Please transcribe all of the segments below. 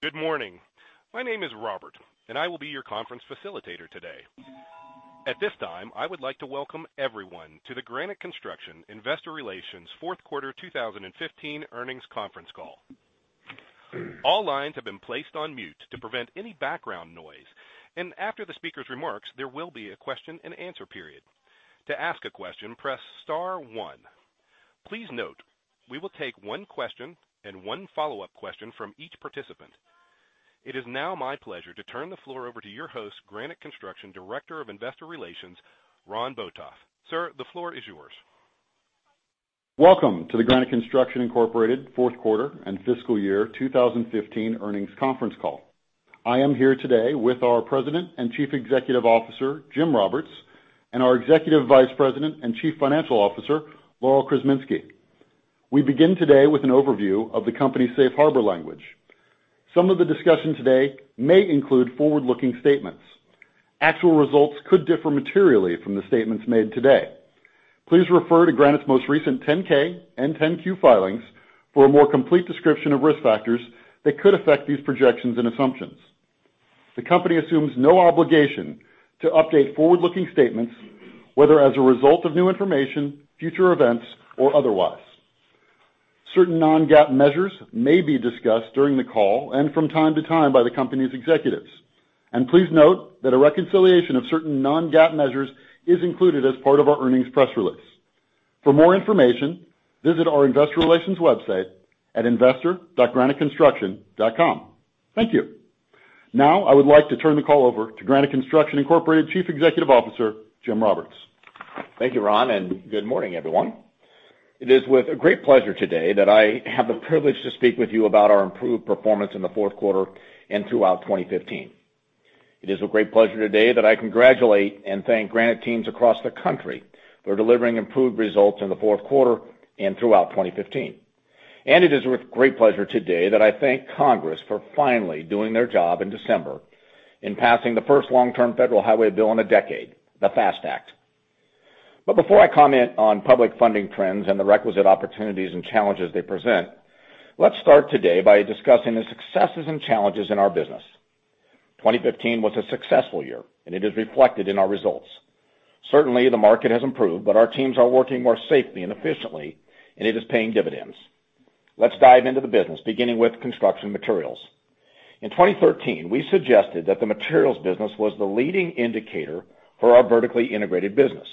Good morning. My name is Robert, and I will be your conference facilitator today. At this time, I would like to welcome everyone to the Granite Construction Investor Relations Fourth Quarter 2015 Earnings Conference Call. All lines have been placed on mute to prevent any background noise, and after the speaker's remarks, there will be a question-and-answer period. To ask a question, press star one. Please note, we will take one question and one follow-up question from each participant. It is now my pleasure to turn the floor over to your host, Granite Construction Director of Investor Relations Ron Botoff. Sir, the floor is yours. Welcome to the Granite Construction Incorporated fourth quarter and fiscal year 2015 earnings conference call. I am here today with our President and Chief Executive Officer, Jim Roberts, and our Executive Vice President and Chief Financial Officer, Laurel Krzeminski. We begin today with an overview of the company's Safe Harbor language. Some of the discussion today may include forward-looking statements. Actual results could differ materially from the statements made today. Please refer to Granite's most recent 10-K and 10-Q filings for a more complete description of risk factors that could affect these projections and assumptions. The company assumes no obligation to update forward-looking statements, whether as a result of new information, future events, or otherwise. Certain non-GAAP measures may be discussed during the call and from time to time by the company's executives. Please note that a reconciliation of certain non-GAAP measures is included as part of our earnings press release. For more information, visit our Investor Relations website at investor.graniteconstruction.com. Thank you. Now, I would like to turn the call over to Granite Construction Incorporated, Chief Executive Officer, Jim Roberts. Thank you, Ron, and good morning, everyone. It is with great pleasure today that I have the privilege to speak with you about our improved performance in the fourth quarter and throughout 2015. It is a great pleasure today that I congratulate and thank Granite teams across the country for delivering improved results in the fourth quarter and throughout 2015. It is with great pleasure today that I thank Congress for finally doing their job in December in passing the first long-term federal highway bill in a decade, the FAST Act. But before I comment on public funding trends and the requisite opportunities and challenges they present, let's start today by discussing the successes and challenges in our business. 2015 was a successful year, and it is reflected in our results. Certainly, the market has improved, but our teams are working more safely and efficiently, and it is paying dividends. Let's dive into the business, beginning with Construction Materials. In 2013, we suggested that the materials business was the leading indicator for our vertically integrated business.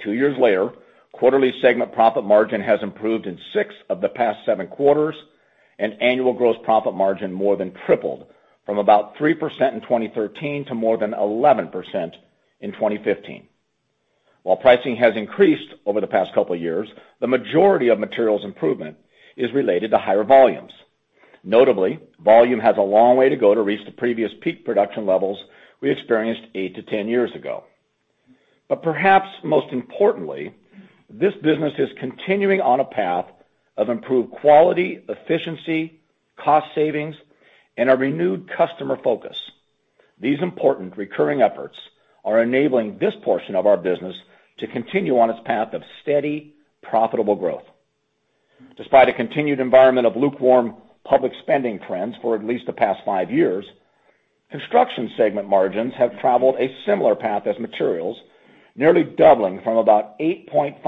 Two years later, quarterly segment profit margin has improved in six of the past seven quarters, and annual gross profit margin more than tripled from about 3% in 2013 to more than 11% in 2015. While pricing has increased over the past couple of years, the majority of materials improvement is related to higher volumes. Notably, volume has a long way to go to reach the previous peak production levels we experienced eight-10 years ago. But perhaps most importantly, this business is continuing on a path of improved quality, efficiency, cost savings, and a renewed customer focus. These important recurring efforts are enabling this portion of our business to continue on its path of steady, profitable growth. Despite a continued environment of lukewarm public spending trends for at least the past five years, Construction segment margins have traveled a similar path as materials, nearly doubling from about 8.5%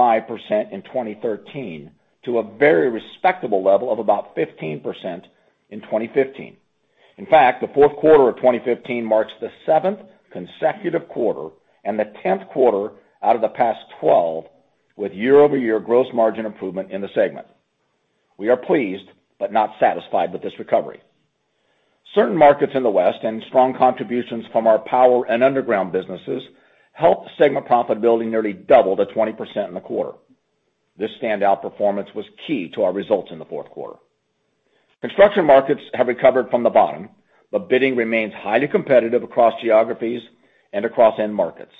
in 2013 to a very respectable level of about 15% in 2015. In fact, the fourth quarter of 2015 marks the seventh consecutive quarter and the tenth quarter out of the past 12, with year-over-year gross margin improvement in the segment. We are pleased but not satisfied with this recovery. Certain markets in the West and strong contributions from our power and underground businesses helped segment profitability nearly double to 20% in the quarter. This standout performance was key to our results in the fourth quarter. Construction markets have recovered from the bottom, but bidding remains highly competitive across geographies and across end markets.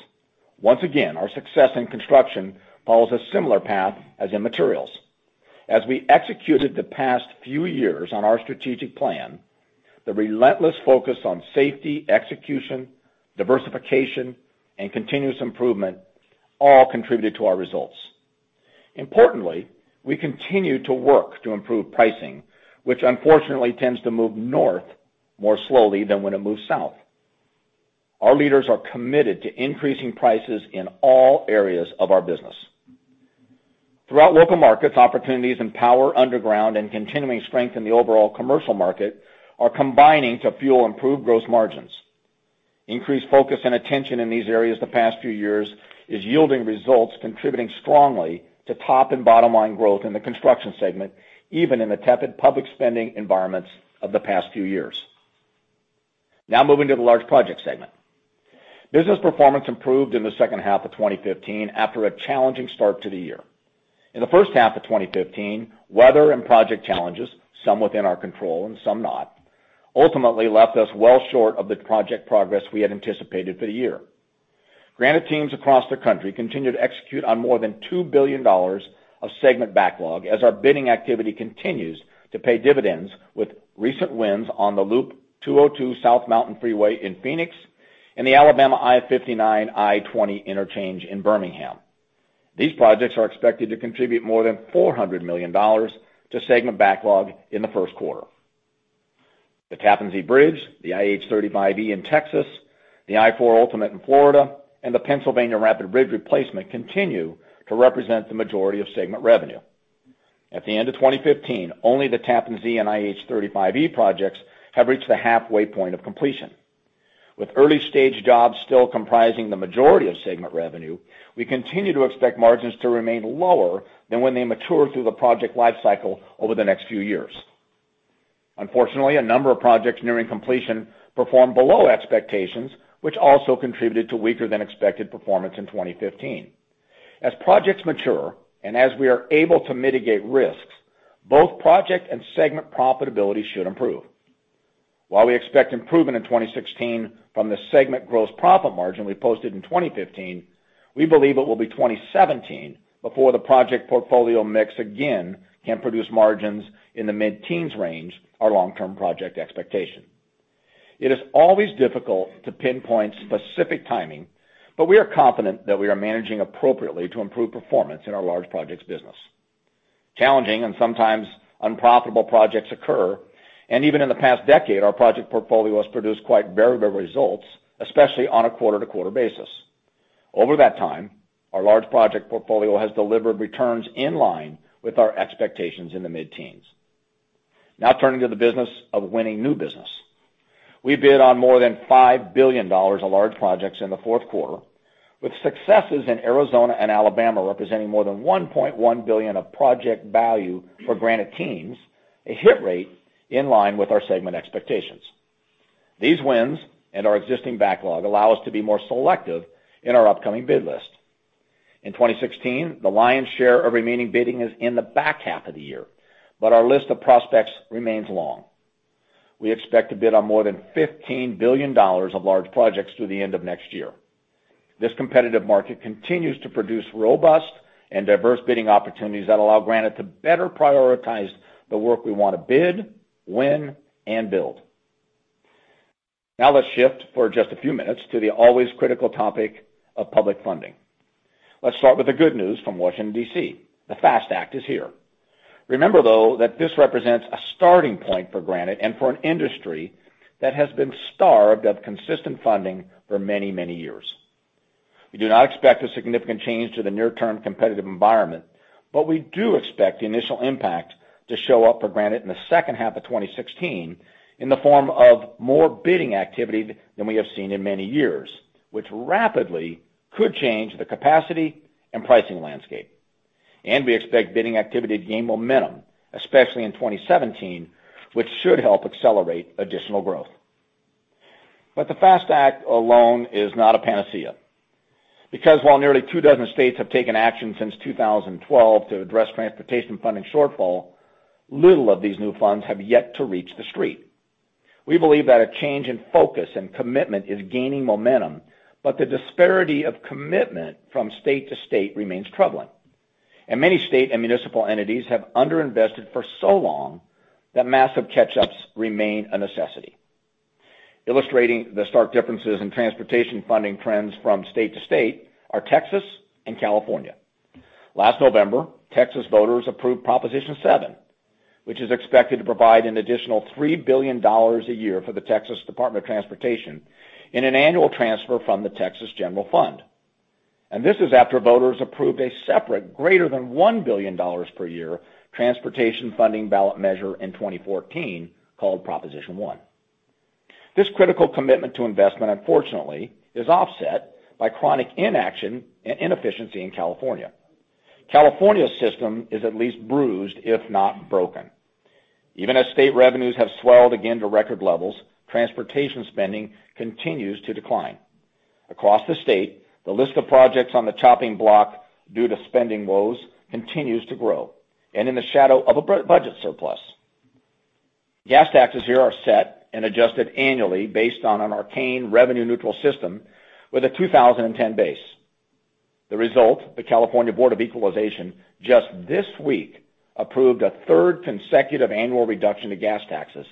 Once again, our success in construction follows a similar path as in materials. As we executed the past few years on our strategic plan, the relentless focus on safety, execution, diversification, and continuous improvement all contributed to our results. Importantly, we continue to work to improve pricing, which unfortunately tends to move north more slowly than when it moves south. Our leaders are committed to increasing prices in all areas of our business. Throughout local markets, opportunities in power, underground, and continuing strength in the overall commercial market are combining to fuel improved gross margins. Increased focus and attention in these areas the past few years is yielding results, contributing strongly to top and bottom line growth in the Construction segment, even in the tepid public spending environments of the past few years. Now, moving to the large project segment. Business performance improved in the second half of 2015 after a challenging start to the year. In the first half of 2015, weather and project challenges, some within our control and some not, ultimately left us well short of the project progress we had anticipated for the year. Granite teams across the country continued to execute on more than $2 billion of segment backlog as our bidding activity continues to pay dividends, with recent wins on the Loop 202 South Mountain Freeway in Phoenix and the Alabama I-59/I-20 interchange in Birmingham. These projects are expected to contribute more than $400 million to segment backlog in the first quarter. The Tappan Zee Bridge, the IH-35E in Texas, the I-4 Ultimate in Florida, and the Pennsylvania Rapid Bridge Replacement continue to represent the majority of segment revenue. At the end of 2015, only the Tappan Zee and IH-35E projects have reached the halfway point of completion. With early-stage jobs still comprising the majority of segment revenue, we continue to expect margins to remain lower than when they mature through the project life cycle over the next few years. Unfortunately, a number of projects nearing completion performed below expectations, which also contributed to weaker than expected performance in 2015. As projects mature, and as we are able to mitigate risks, both project and segment profitability should improve. While we expect improvement in 2016 from the segment gross profit margin we posted in 2015, we believe it will be 2017 before the project portfolio mix again can produce margins in the mid-teens range, our long-term project expectation. It is always difficult to pinpoint specific timing, but we are confident that we are managing appropriately to improve performance in our large projects business. Challenging and sometimes unprofitable projects occur, and even in the past decade, our project portfolio has produced quite variable results, especially on a quarter-to-quarter basis. Over that time, our large project portfolio has delivered returns in line with our expectations in the mid-teens. Now turning to the business of winning new business. We bid on more than $5 billion of large projects in the fourth quarter, with successes in Arizona and Alabama representing more than $1.1 billion of project value for Granite teams, a hit rate in line with our segment expectations. These wins and our existing backlog allow us to be more selective in our upcoming bid list. In 2016, the lion's share of remaining bidding is in the back half of the year, but our list of prospects remains long. We expect to bid on more than $15 billion of large projects through the end of next year. This competitive market continues to produce robust and diverse bidding opportunities that allow Granite to better prioritize the work we want to bid, win, and build. Now, let's shift for just a few minutes to the always critical topic of public funding. Let's start with the good news from Washington, D.C. The FAST Act is here. Remember, though, that this represents a starting point for Granite and for an industry that has been starved of consistent funding for many, many years. We do not expect a significant change to the near-term competitive environment, but we do expect the initial impact to show up for Granite in the second half of 2016, in the form of more bidding activity than we have seen in many years, which rapidly could change the capacity and pricing landscape. And we expect bidding activity to gain momentum, especially in 2017, which should help accelerate additional growth. But the FAST Act alone is not a panacea, because while nearly 24 states have taken action since 2012 to address transportation funding shortfall, little of these new funds have yet to reach the street. We believe that a change in focus and commitment is gaining momentum, but the disparity of commitment from state to state remains troubling, and many state and municipal entities have underinvested for so long that massive catch-ups remain a necessity. Illustrating the stark differences in transportation funding trends from state to state are Texas and California. Last November, Texas voters approved Proposition Seven, which is expected to provide an additional $3 billion a year for the Texas Department of Transportation in an annual transfer from the Texas General Fund. This is after voters approved a separate, greater than $1 billion per year, transportation funding ballot measure in 2014, called Proposition One. This critical commitment to investment, unfortunately, is offset by chronic inaction and inefficiency in California. California's system is at least bruised, if not broken. Even as state revenues have swelled again to record levels, transportation spending continues to decline. Across the state, the list of projects on the chopping block due to spending woes continues to grow, and in the shadow of a budget surplus. Gas taxes here are set and adjusted annually based on an arcane, revenue-neutral system with a 2010 base. The result, the California Board of Equalization, just this week, approved a third consecutive annual reduction to gas taxes,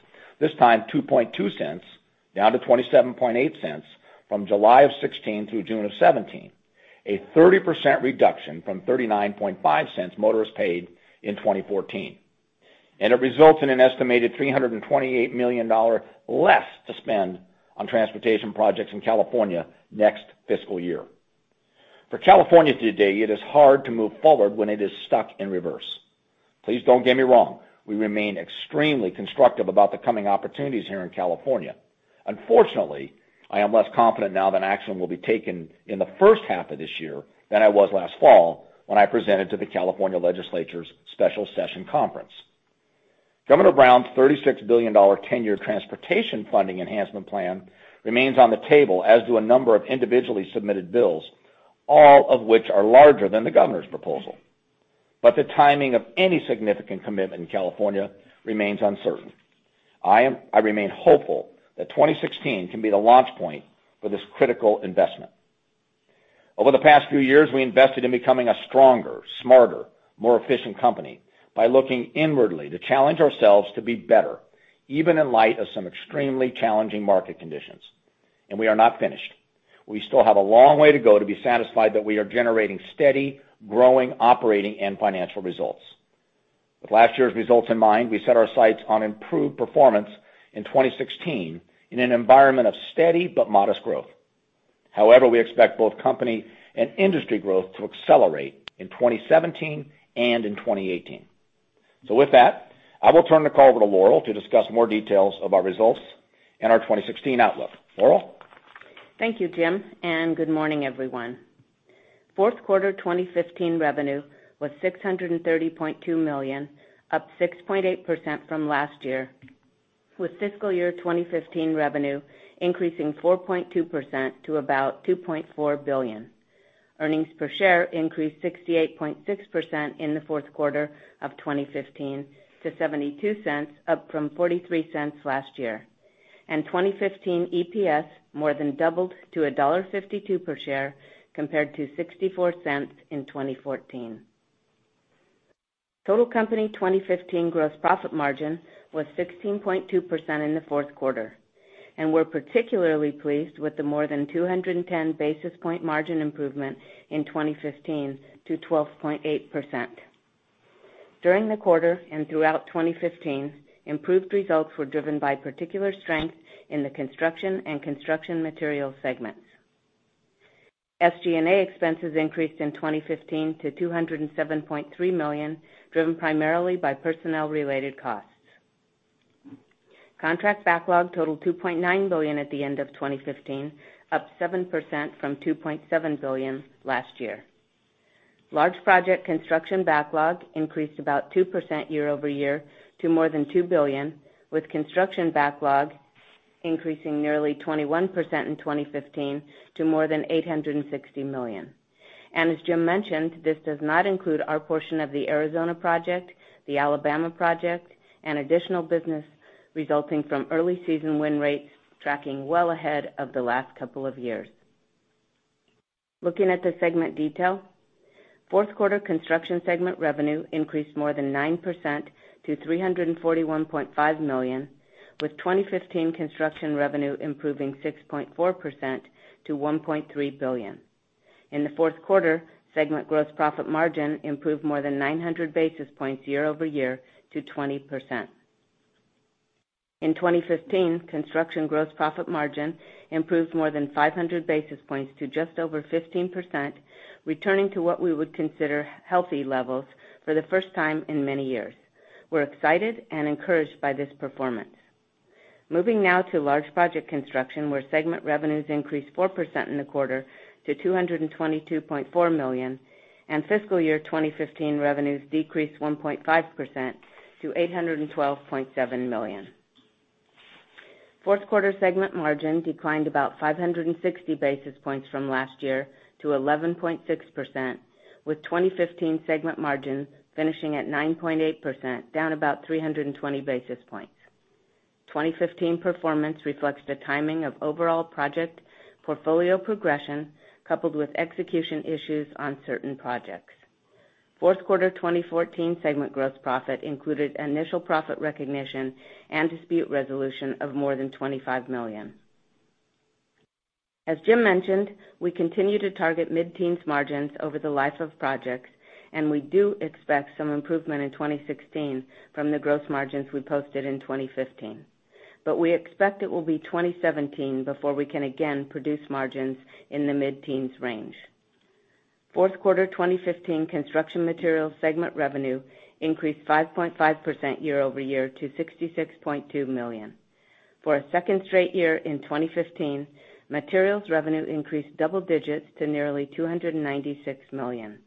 this time $0.022, down to $0.278 from July 2016 through June 2017, a 30% reduction from $0.395 motorists paid in 2014. It results in an estimated $328 million less to spend on transportation projects in California next fiscal year. For California today, it is hard to move forward when it is stuck in reverse. Please don't get me wrong, we remain extremely constructive about the coming opportunities here in California. Unfortunately, I am less confident now that action will be taken in the first half of this year than I was last fall when I presented to the California Legislature's special session conference. Governor Brown's $36 billion, 10-year transportation funding enhancement plan remains on the table, as do a number of individually submitted bills, all of which are larger than the governor's proposal. But the timing of any significant commitment in California remains uncertain. I remain hopeful that 2016 can be the launch point for this critical investment. Over the past few years, we invested in becoming a stronger, smarter, more efficient company by looking inwardly to challenge ourselves to be better, even in light of some extremely challenging market conditions... and we are not finished. We still have a long way to go to be satisfied that we are generating steady, growing, operating, and financial results. With last year's results in mind, we set our sights on improved performance in 2016, in an environment of steady but modest growth. However, we expect both company and industry growth to accelerate in 2017 and in 2018. So with that, I will turn the call over to Laurel to discuss more details of our results and our 2016 outlook. Laurel? Thank you, Jim, and good morning, everyone. Fourth quarter 2015 revenue was $630.2 million, up 6.8% from last year, with fiscal year 2015 revenue increasing 4.2% to about $2.4 billion. Earnings per share increased 68.6% in the fourth quarter of 2015 to $0.72, up from $0.43 last year. Twenty fifteen EPS more than doubled to $1.52 per share, compared to $0.64 in 2014. Total company 2015 gross profit margin was 16.2% in the fourth quarter, and we're particularly pleased with the more than 210 basis point margin improvement in 2015 to 12.8%. During the quarter and throughout 2015, improved results were driven by particular strength in the construction and Construction Materials segments. SG&A expenses increased in 2015 to $207.3 million, driven primarily by personnel-related costs. Contract backlog totaled $2.9 billion at the end of 2015, up 7% from $2.7 billion last year. Large project construction backlog increased about 2% year-over-year to more than $2 billion, with construction backlog increasing nearly 21% in 2015 to more than $860 million. And as Jim mentioned, this does not include our portion of the Arizona project, the Alabama project, and additional business resulting from early season win rates tracking well ahead of the last couple of years. Looking at the segment detail, fourth quarter Construction segment revenue increased more than 9% to $341.5 million, with 2015 construction revenue improving 6.4% to $1.3 billion. In the fourth quarter, segment gross profit margin improved more than 900 basis points year-over-year to 20%. In 2015, construction gross profit margin improved more than 500 basis points to just over 15%, returning to what we would consider healthy levels for the first time in many years. We're excited and encouraged by this performance. Moving now to large project construction, where segment revenues increased 4% in the quarter to $222.4 million, and fiscal year 2015 revenues decreased 1.5% to $812.7 million. Fourth quarter segment margin declined about 560 basis points from last year to 11.6%, with 2015 segment margin finishing at 9.8%, down about 320 basis points. 2015 performance reflects the timing of overall project portfolio progression, coupled with execution issues on certain projects. Fourth quarter 2014 segment gross profit included initial profit recognition and dispute resolution of more than $25 million. As Jim mentioned, we continue to target mid-teens margins over the life of projects, and we do expect some improvement in 2016 from the gross margins we posted in 2015. But we expect it will be 2017 before we can again produce margins in the mid-teens range. Fourth quarter 2015 Construction Materials segment revenue increased 5.5% year-over-year to $66.2 million. For a second straight year in 2015, materials revenue increased double digits to nearly $296 million.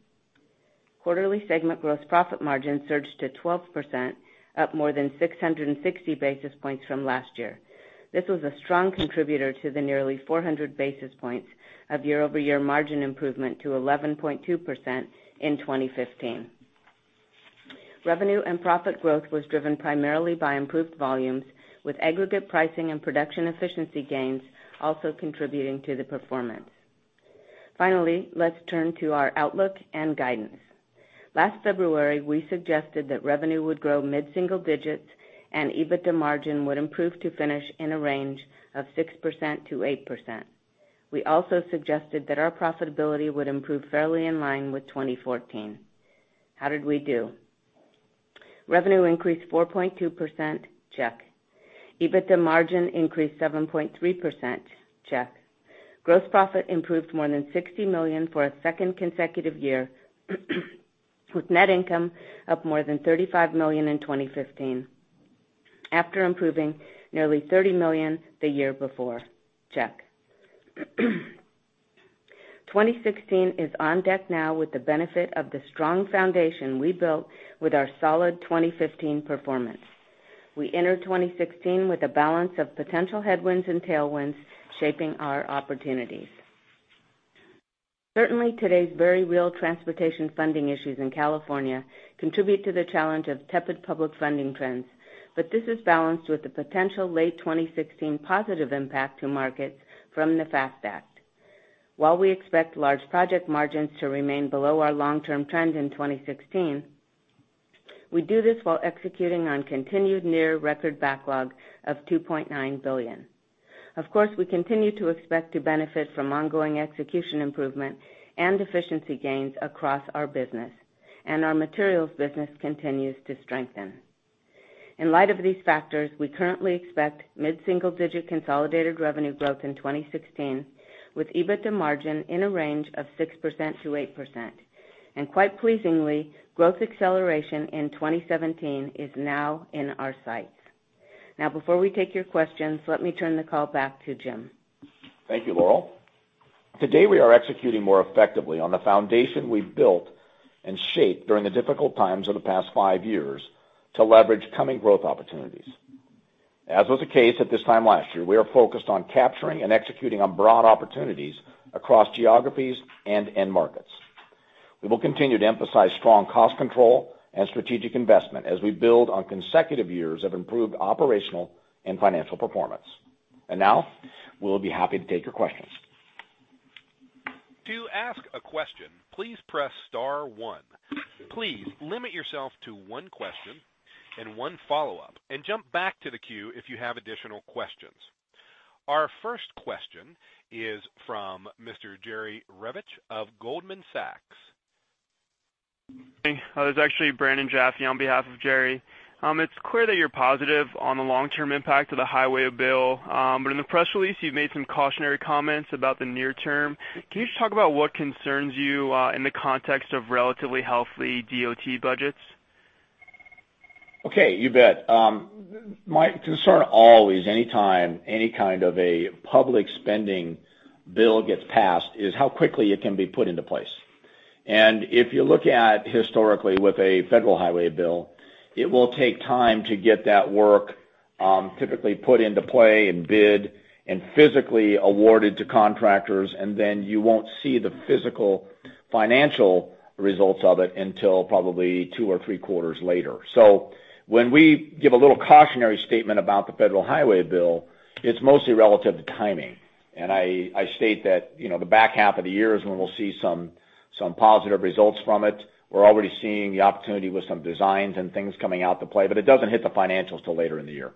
Quarterly segment gross profit margin surged to 12%, up more than 660 basis points from last year. This was a strong contributor to the nearly 400 basis points of year-over-year margin improvement to 11.2% in 2015. Revenue and profit growth was driven primarily by improved volumes, with aggregate pricing and production efficiency gains also contributing to the performance. Finally, let's turn to our outlook and guidance. Last February, we suggested that revenue would grow mid-single digits and EBITDA margin would improve to finish in a range of 6%-8%. We also suggested that our profitability would improve fairly in line with 2014. How did we do? Revenue increased 4.2%. Check. EBITDA margin increased 7.3%. Check. Gross profit improved more than $60 million for a second consecutive year, with net income up more than $35 million in 2015, after improving nearly $30 million the year before. Check. 2016 is on deck now with the benefit of the strong foundation we built with our solid 2015 performance. We enter 2016 with a balance of potential headwinds and tailwinds shaping our opportunities. Certainly, today's very real transportation funding issues in California contribute to the challenge of tepid public funding trends, but this is balanced with the potential late 2016 positive impact to markets from the FAST Act. While we expect large project margins to remain below our long-term trend in 2016,... We do this while executing on continued near-record backlog of $2.9 billion. Of course, we continue to expect to benefit from ongoing execution improvement and efficiency gains across our business, and our materials business continues to strengthen. In light of these factors, we currently expect mid-single-digit consolidated revenue growth in 2016, with EBITDA margin in a range of 6%-8%. And quite pleasingly, growth acceleration in 2017 is now in our sights. Now, before we take your questions, let me turn the call back to Jim. Thank you, Laurel. Today, we are executing more effectively on the foundation we've built and shaped during the difficult times of the past five years to leverage coming growth opportunities. As was the case at this time last year, we are focused on capturing and executing on broad opportunities across geographies and end markets. We will continue to emphasize strong cost control and strategic investment as we build on consecutive years of improved operational and financial performance. Now, we'll be happy to take your questions. To ask a question, please press star one. Please limit yourself to one question and one follow-up, and jump back to the queue if you have additional questions. Our first question is from Mr. Jerry Revich of Goldman Sachs. Hey, this is actually Brandon Jaffe on behalf of Jerry. It's clear that you're positive on the long-term impact of the Highway Bill. But in the press release, you've made some cautionary comments about the near term. Can you just talk about what concerns you in the context of relatively healthy DOT budgets? Okay, you bet. My concern always, anytime any kind of a public spending bill gets passed, is how quickly it can be put into place. And if you look at historically with a federal highway bill, it will take time to get that work, typically put into play and bid and physically awarded to contractors, and then you won't see the physical financial results of it until probably two or three quarters later. So when we give a little cautionary statement about the Federal Highway Bill, it's mostly relative to timing. And I state that, you know, the back half of the year is when we'll see some positive results from it. We're already seeing the opportunity with some designs and things coming out to play, but it doesn't hit the financials till later in the year.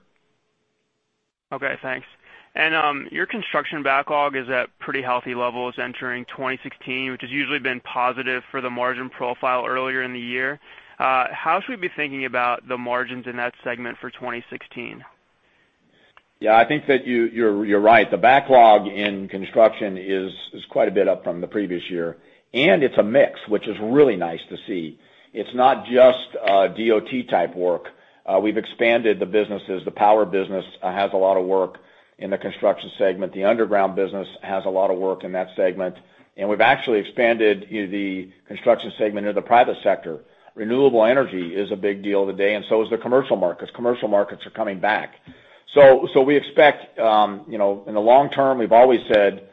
Okay, thanks. Your construction backlog is at pretty healthy levels entering 2016, which has usually been positive for the margin profile earlier in the year. How should we be thinking about the margins in that segment for 2016? Yeah, I think that you're right. The backlog in construction is quite a bit up from the previous year, and it's a mix, which is really nice to see. It's not just DOT-type work. We've expanded the businesses. The power business has a lot of work in the Construction segment. The underground business has a lot of work in that segment, and we've actually expanded the Construction segment into the private sector. Renewable energy is a big deal today, and so is the commercial markets. Commercial markets are coming back. So we expect, you know, in the long term, we've always said,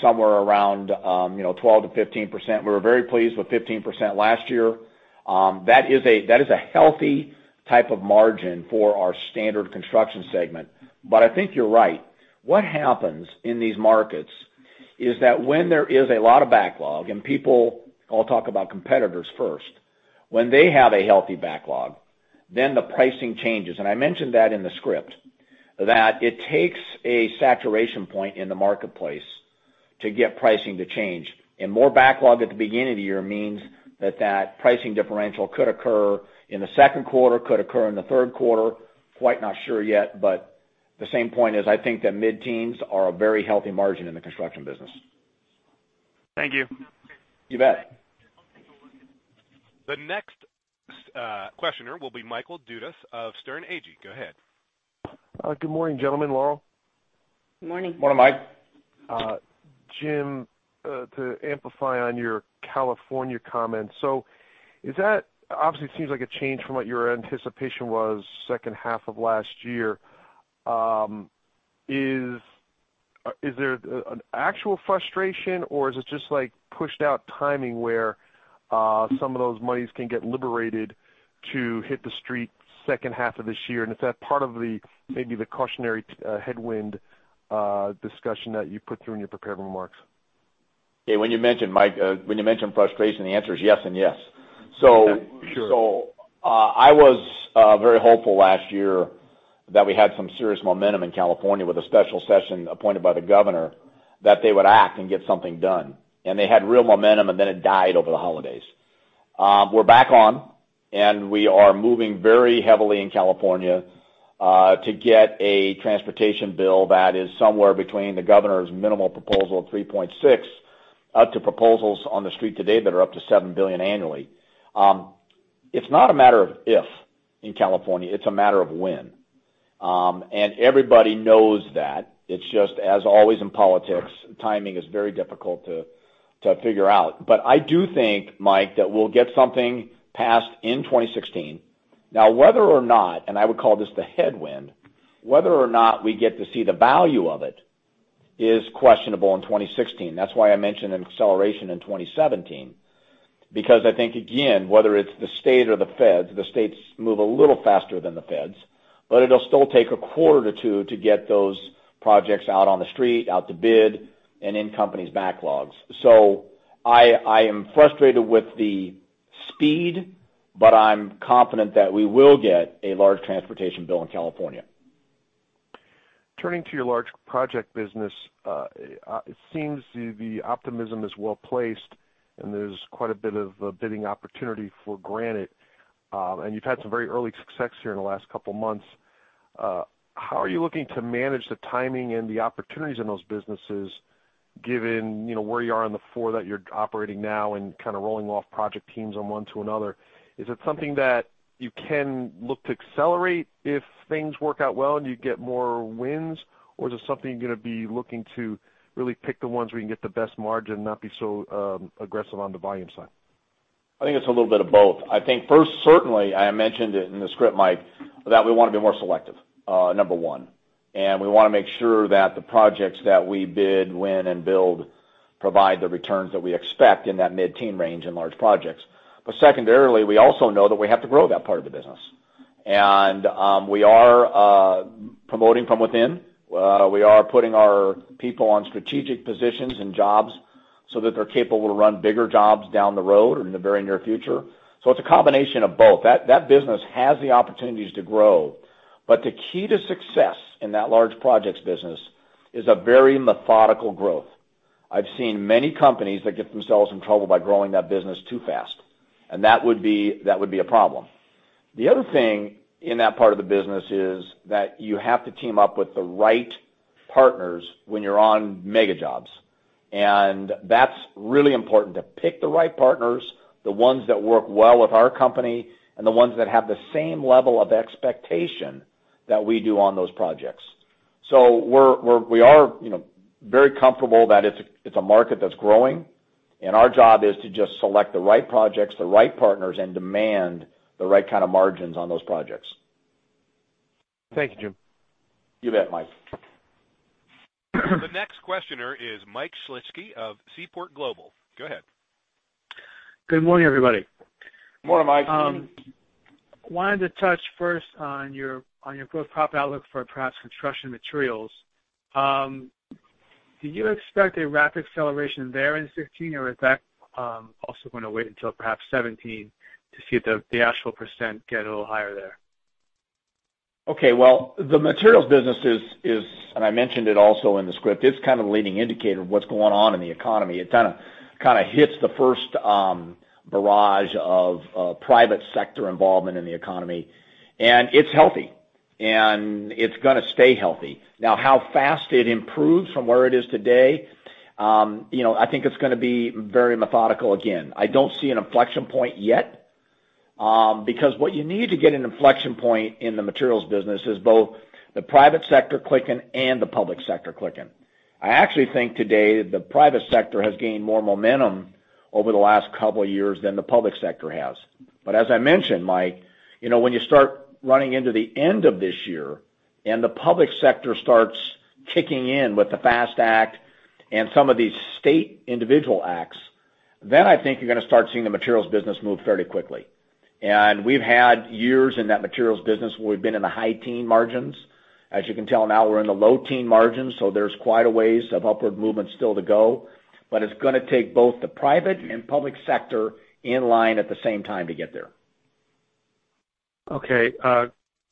somewhere around, you know, 12%-15%. We were very pleased with 15% last year. That is a healthy type of margin for our standard Construction segment. But I think you're right. What happens in these markets is that when there is a lot of backlog, and people, I'll talk about competitors first, when they have a healthy backlog, then the pricing changes. I mentioned that in the script, that it takes a saturation point in the marketplace to get pricing to change. More backlog at the beginning of the year means that that pricing differential could occur in the second quarter, could occur in the third quarter. I'm not quite sure yet, but the same point is, I think that mid-teens are a very healthy margin in the construction business. Thank you. You bet. The next questioner will be Michael Dudas of Sterne Agee. Go ahead. Good morning, gentlemen, Laurel. Good morning. Morning, Mike. Jim, to amplify on your California comments, so is that, obviously, it seems like a change from what your anticipation was second half of last year. Is there an actual frustration, or is it just, like, pushed out timing where some of those monies can get liberated to hit the street second half of this year? And is that part of the, maybe the cautionary headwind discussion that you put through in your prepared remarks? Yeah, when you mention, Mike, when you mention frustration, the answer is yes and yes. Sure. I was very hopeful last year that we had some serious momentum in California with a special session appointed by the governor, that they would act and get something done. And they had real momentum, and then it died over the holidays. We're back on, and we are moving very heavily in California to get a transportation bill that is somewhere between the governor's minimal proposal of $3.6 billion up to proposals on the street today that are up to $7 billion annually. It's not a matter of if in California, it's a matter of when. And everybody knows that. It's just as always in politics, timing is very difficult to figure out. But I do think, Mike, that we'll get something passed in 2016. Now, whether or not, and I would call this the headwind, whether or not we get to see the value of it is questionable in 2016. That's why I mentioned an acceleration in 2017, because I think, again, whether it's the state or the feds, the states move a little faster than the feds, but it'll still take a quarter to two to get those projects out on the street, out to bid, and in companies' backlogs. So, I am frustrated with the speed, but I'm confident that we will get a large transportation bill in California. Turning to your large project business, it seems the optimism is well placed, and there's quite a bit of bidding opportunity for Granite. And you've had some very early success here in the last couple of months. How are you looking to manage the timing and the opportunities in those businesses, given, you know, where you are on the flow that you're operating now and kind of rolling off project teams from one to another? Is it something that you can look to accelerate if things work out well and you get more wins, or is it something you're gonna be looking to really pick the ones where you can get the best margin, not be so aggressive on the volume side? I think it's a little bit of both. I think first, certainly, I mentioned it in the script, Mike, that we wanna be more selective, number one. And we wanna make sure that the projects that we bid, win, and build provide the returns that we expect in that mid-teen range in large projects. But secondarily, we also know that we have to grow that part of the business. And we are promoting from within. We are putting our people on strategic positions and jobs so that they're capable to run bigger jobs down the road in the very near future. So it's a combination of both. That business has the opportunities to grow, but the key to success in that large projects business is a very methodical growth. I've seen many companies that get themselves in trouble by growing that business too fast, and that would be a problem. The other thing in that part of the business is that you have to team up with the right partners when you're on mega jobs. And that's really important, to pick the right partners, the ones that work well with our company, and the ones that have the same level of expectation that we do on those projects. So we're, we are, you know, very comfortable that it's a market that's growing, and our job is to just select the right projects, the right partners, and demand the right kind of margins on those projects. Thank you, Jim. You bet, Mike. The next questioner is Mike Shlisky of Seaport Global. Go ahead. Good morning, everybody. Good morning, Mike. Wanted to touch first on your, on your growth pop outlook for perhaps Construction Materials. Do you expect a rapid acceleration there in 2016, or is that also gonna wait until perhaps 2017 to see if the, the actual percent get a little higher there? Okay, well, the materials business is, and I mentioned it also in the script, it's kind of a leading indicator of what's going on in the economy. It kind of hits the first barrage of private sector involvement in the economy, and it's healthy, and it's gonna stay healthy. Now, how fast it improves from where it is today, you know, I think it's gonna be very methodical again. I don't see an inflection point yet, because what you need to get an inflection point in the materials business is both the private sector clicking and the public sector clicking. I actually think today that the private sector has gained more momentum over the last couple of years than the public sector has. But as I mentioned, Mike, you know, when you start running into the end of this year, and the public sector starts kicking in with the FAST Act and some of these state individual acts, then I think you're gonna start seeing the materials business move fairly quickly. And we've had years in that materials business where we've been in the high teen margins. As you can tell, now we're in the low teen margins, so there's quite a ways of upward movement still to go, but it's gonna take both the private and public sector in line at the same time to get there. Okay,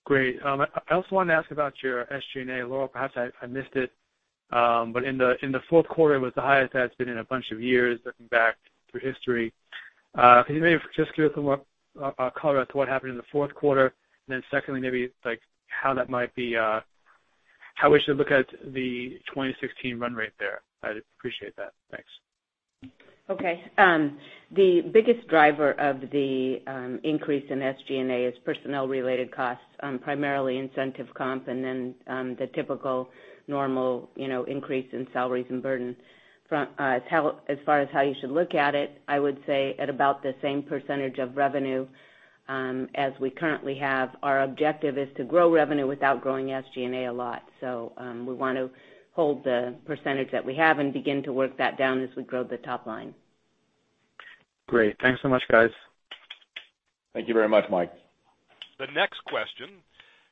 great. I also wanted to ask about your SG&A. Laurel, perhaps I, I missed it, but in the fourth quarter, it was the highest it's been in a bunch of years, looking back through history. Can you maybe just give us some more color as to what happened in the fourth quarter? And then secondly, maybe, like, how that might be, how we should look at the 2016 run rate there. I'd appreciate that. Thanks. Okay. The biggest driver of the increase in SG&A is personnel-related costs, primarily incentive comp, and then, the typical normal, you know, increase in salaries and burden. As far as how you should look at it, I would say at about the same percentage of revenue as we currently have. Our objective is to grow revenue without growing SG&A a lot, so, we want to hold the percentage that we have and begin to work that down as we grow the top line. Great. Thanks so much, guys. Thank you very much, Mike. The next question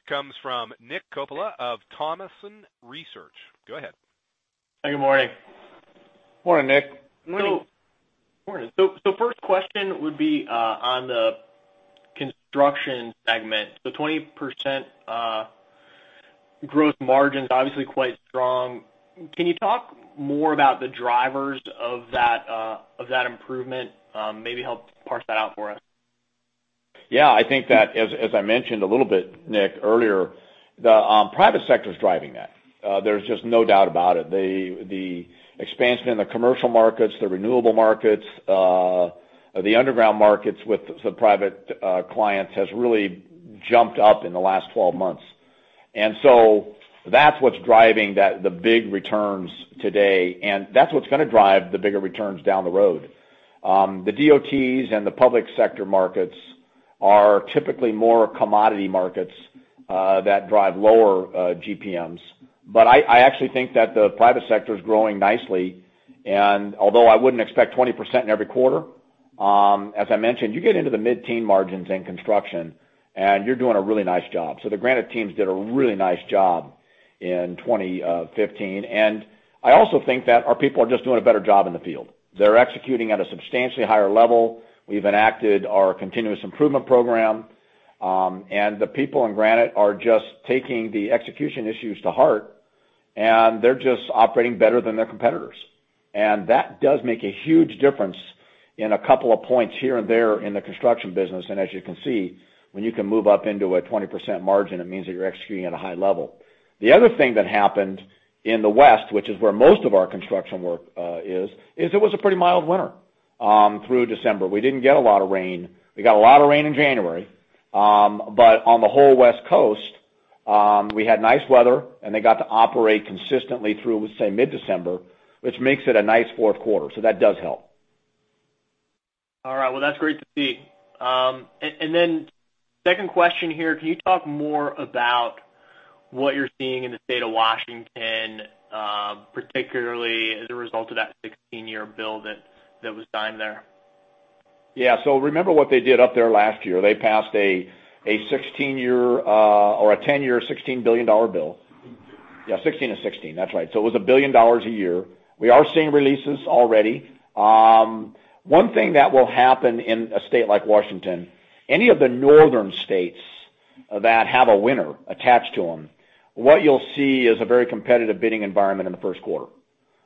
comes from Nick Coppola of Thompson Research. Go ahead. Good morning. Morning, Nick. Morning. First question would be on the Construction segment. The 20% gross margin is obviously quite strong. Can you talk more about the drivers of that improvement? Maybe help parse that out for us. Yeah, I think that as I mentioned a little bit, Nick, earlier, the private sector is driving that. There's just no doubt about it. The expansion in the commercial markets, the renewable markets, the underground markets with the private clients, has really jumped up in the last 12 months. And so that's what's driving that, the big returns today, and that's what's gonna drive the bigger returns down the road. The DOTs and the public sector markets are typically more commodity markets that drive lower GPMs. But I actually think that the private sector is growing nicely, and although I wouldn't expect 20% in every quarter, as I mentioned, you get into the mid-teen margins in construction, and you're doing a really nice job. So the Granite teams did a really nice job in 2015. I also think that our people are just doing a better job in the field. They're executing at a substantially higher level. We've enacted our continuous improvement program, and the people in Granite are just taking the execution issues to heart, and they're just operating better than their competitors. And that does make a huge difference in a couple of points here and there in the construction business. And as you can see, when you can move up into a 20% margin, it means that you're executing at a high level. The other thing that happened in the West, which is where most of our construction work is, it was a pretty mild winter through December. We didn't get a lot of rain. We got a lot of rain in January, but on the whole West Coast, we had nice weather, and they got to operate consistently through, say, mid-December, which makes it a nice fourth quarter. So that does help. All right. Well, that's great to see. And then second question here, can you talk more about what you're seeing in the state of Washington, particularly as a result of that 16-year bill that was signed there? Yeah. So remember what they did up there last year. They passed a 16-year or a 10-year $16 billion bill. Yeah, 16 to 16. That's right. So it was $1 billion a year. We are seeing releases already. One thing that will happen in a state like Washington, any of the northern states that have a winter attached to them, what you'll see is a very competitive bidding environment in the first quarter.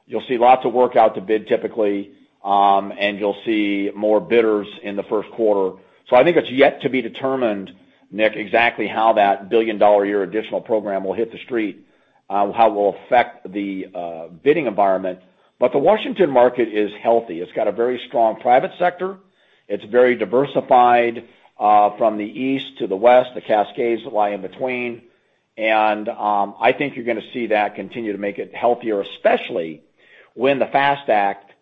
You'll see lots of work out to bid, typically, and you'll see more bidders in the first quarter. So I think it's yet to be determined, Nick, exactly how that $1 billion-a-year additional program will hit the street, how it will affect the bidding environment. But the Washington market is healthy. It's got a very strong private sector. It's very diversified from the east to the west, the Cascades lie in between. I think you're gonna see that continue to make it healthier, especially when the FAST Act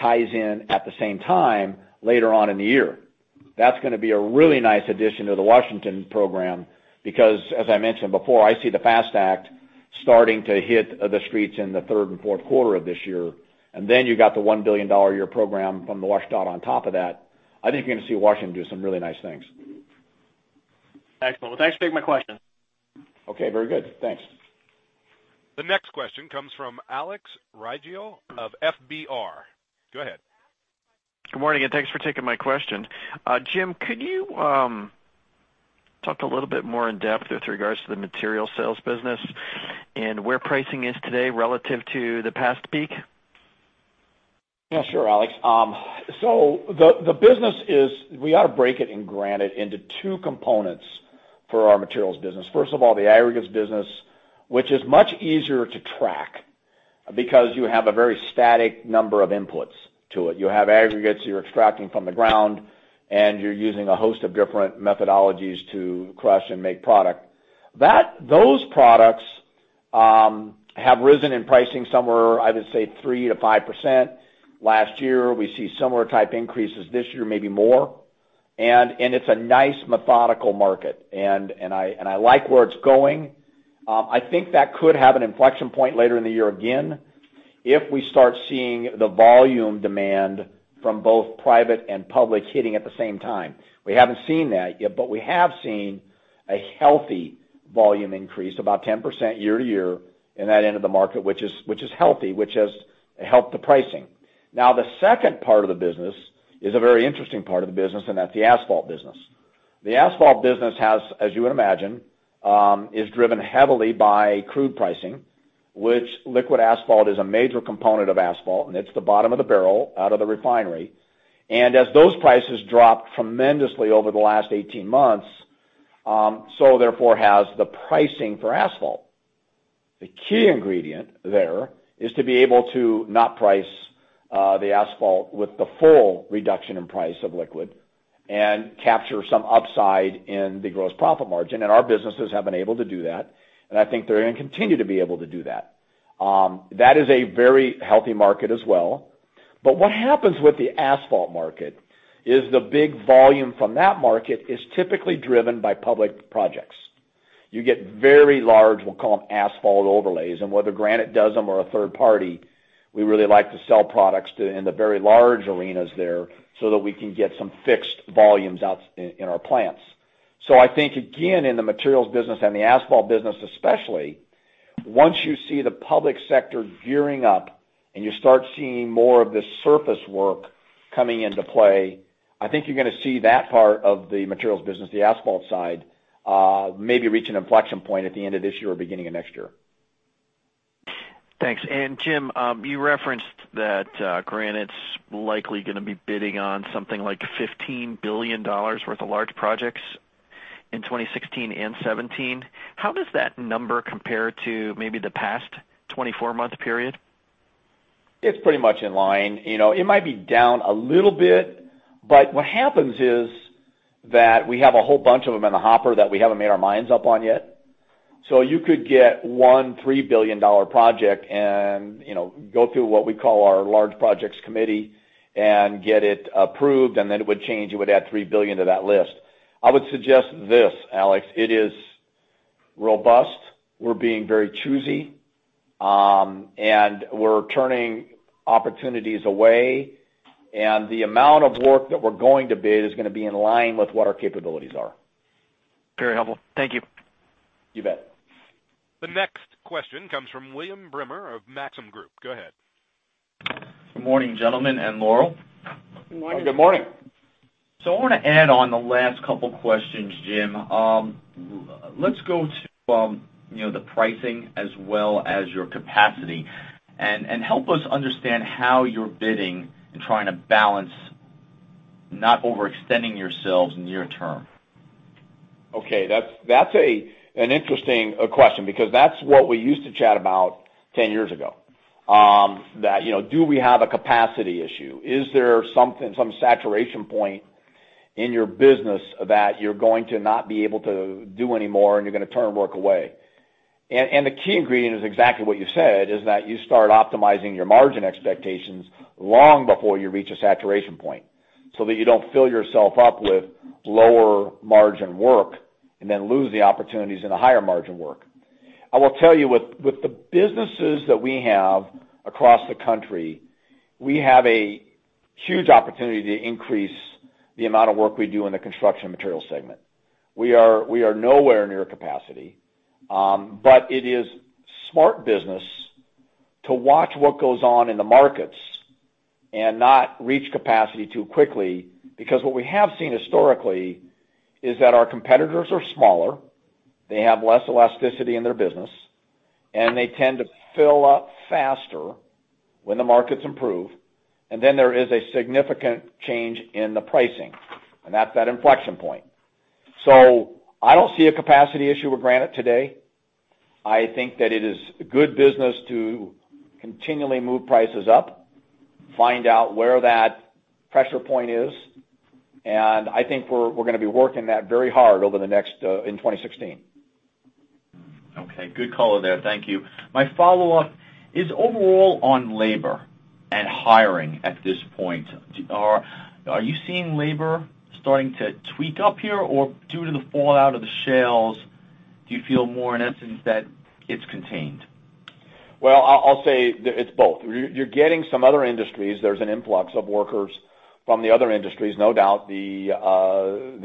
ties in at the same time later on in the year. That's gonna be a really nice addition to the Washington program because, as I mentioned before, I see the FAST Act starting to hit the streets in the third and fourth quarter of this year. And then you got the $1 billion a year program from the WSDOT on top of that. I think you're gonna see Washington do some really nice things. Excellent. Well, thanks for taking my question. Okay, very good. Thanks. The next question comes from Alex Rygiel of FBR. Go ahead. Good morning, and thanks for taking my question. Jim, could you talk a little bit more in depth with regards to the material sales business and where pricing is today relative to the past peak? Yeah, sure, Alex. So the business is. We ought to break it in Granite into two components for our materials business. First of all, the aggregates business, which is much easier to track because you have a very static number of inputs to it. You have aggregates you're extracting from the ground, and you're using a host of different methodologies to crush and make product. Those products have risen in pricing somewhere, I would say, 3%-5% last year. We see similar type increases this year, maybe more, and it's a nice, methodical market, and I like where it's going. I think that could have an inflection point later in the year again, if we start seeing the volume demand from both private and public hitting at the same time. We haven't seen that yet, but we have seen a healthy volume increase, about 10% year-over-year, in that end of the market, which is, which is healthy, which has helped the pricing. Now, the second part of the business is a very interesting part of the business, and that's the asphalt business. The asphalt business has, as you would imagine, is driven heavily by crude pricing, which liquid asphalt is a major component of asphalt, and it's the bottom of the barrel out of the refinery. And as those prices dropped tremendously over the last 18 months, so therefore, has the pricing for asphalt. The key ingredient there is to be able to not price the asphalt with the full reduction in price of liquid and capture some upside in the gross profit margin, and our businesses have been able to do that, and I think they're gonna continue to be able to do that. That is a very healthy market as well. But what happens with the asphalt market is the big volume from that market is typically driven by public projects. You get very large, we'll call them asphalt overlays, and whether Granite does them or a third party, we really like to sell products to in the very large arenas there, so that we can get some fixed volumes out in our plants. I think, again, in the materials business and the asphalt business especially, once you see the public sector gearing up and you start seeing more of this surface work coming into play, I think you're gonna see that part of the materials business, the asphalt side, maybe reach an inflection point at the end of this year or beginning of next year. Thanks. Jim, you referenced that Granite's likely gonna be bidding on something like $15 billion worth of large projects in 2016 and 2017. How does that number compare to maybe the past 24-month period? It's pretty much in line. You know, it might be down a little bit, but what happens is that we have a whole bunch of them in the hopper that we haven't made our minds up on yet. So you could get one $3 billion project and, you know, go through what we call our Large Projects Committee and get it approved, and then it would change. It would add $3 billion to that list. I would suggest this, Alex: it is robust. We're being very choosy. And we're turning opportunities away, and the amount of work that we're going to bid is gonna be in line with what our capabilities are. Very helpful. Thank you. You bet. The next question comes from William Bremer of Maxim Group. Go ahead. Good morning, gentlemen, and Laurel. Good morning. Good morning. I wanna add on the last couple questions, Jim. Let's go to, you know, the pricing as well as your capacity, and help us understand how you're bidding and trying to balance not overextending yourselves near term. Okay. That's an interesting question because that's what we used to chat about 10 years ago. You know, do we have a capacity issue? Is there some saturation point in your business that you're going to not be able to do any more, and you're gonna turn work away? And the key ingredient is exactly what you said, is that you start optimizing your margin expectations long before you reach a saturation point, so that you don't fill yourself up with lower margin work and then lose the opportunities in the higher margin work. I will tell you, with the businesses that we have across the country, we have a huge opportunity to increase the amount of work we do in the Construction Materials segment. We are nowhere near capacity, but it is smart business to watch what goes on in the markets and not reach capacity too quickly, because what we have seen historically is that our competitors are smaller, they have less elasticity in their business, and they tend to fill up faster when the markets improve. And then there is a significant change in the pricing, and that's that inflection point. So I don't see a capacity issue with Granite today. I think that it is good business to continually move prices up, find out where that pressure point is, and I think we're gonna be working that very hard over the next in 2016. Okay. Good call there. Thank you. My follow-up is overall on labor and hiring at this point. Are you seeing labor starting to tweak up here, or due to the fallout of the shales, do you feel more in essence that it's contained? Well, I'll say that it's both. You're getting some other industries. There's an influx of workers from the other industries. No doubt, the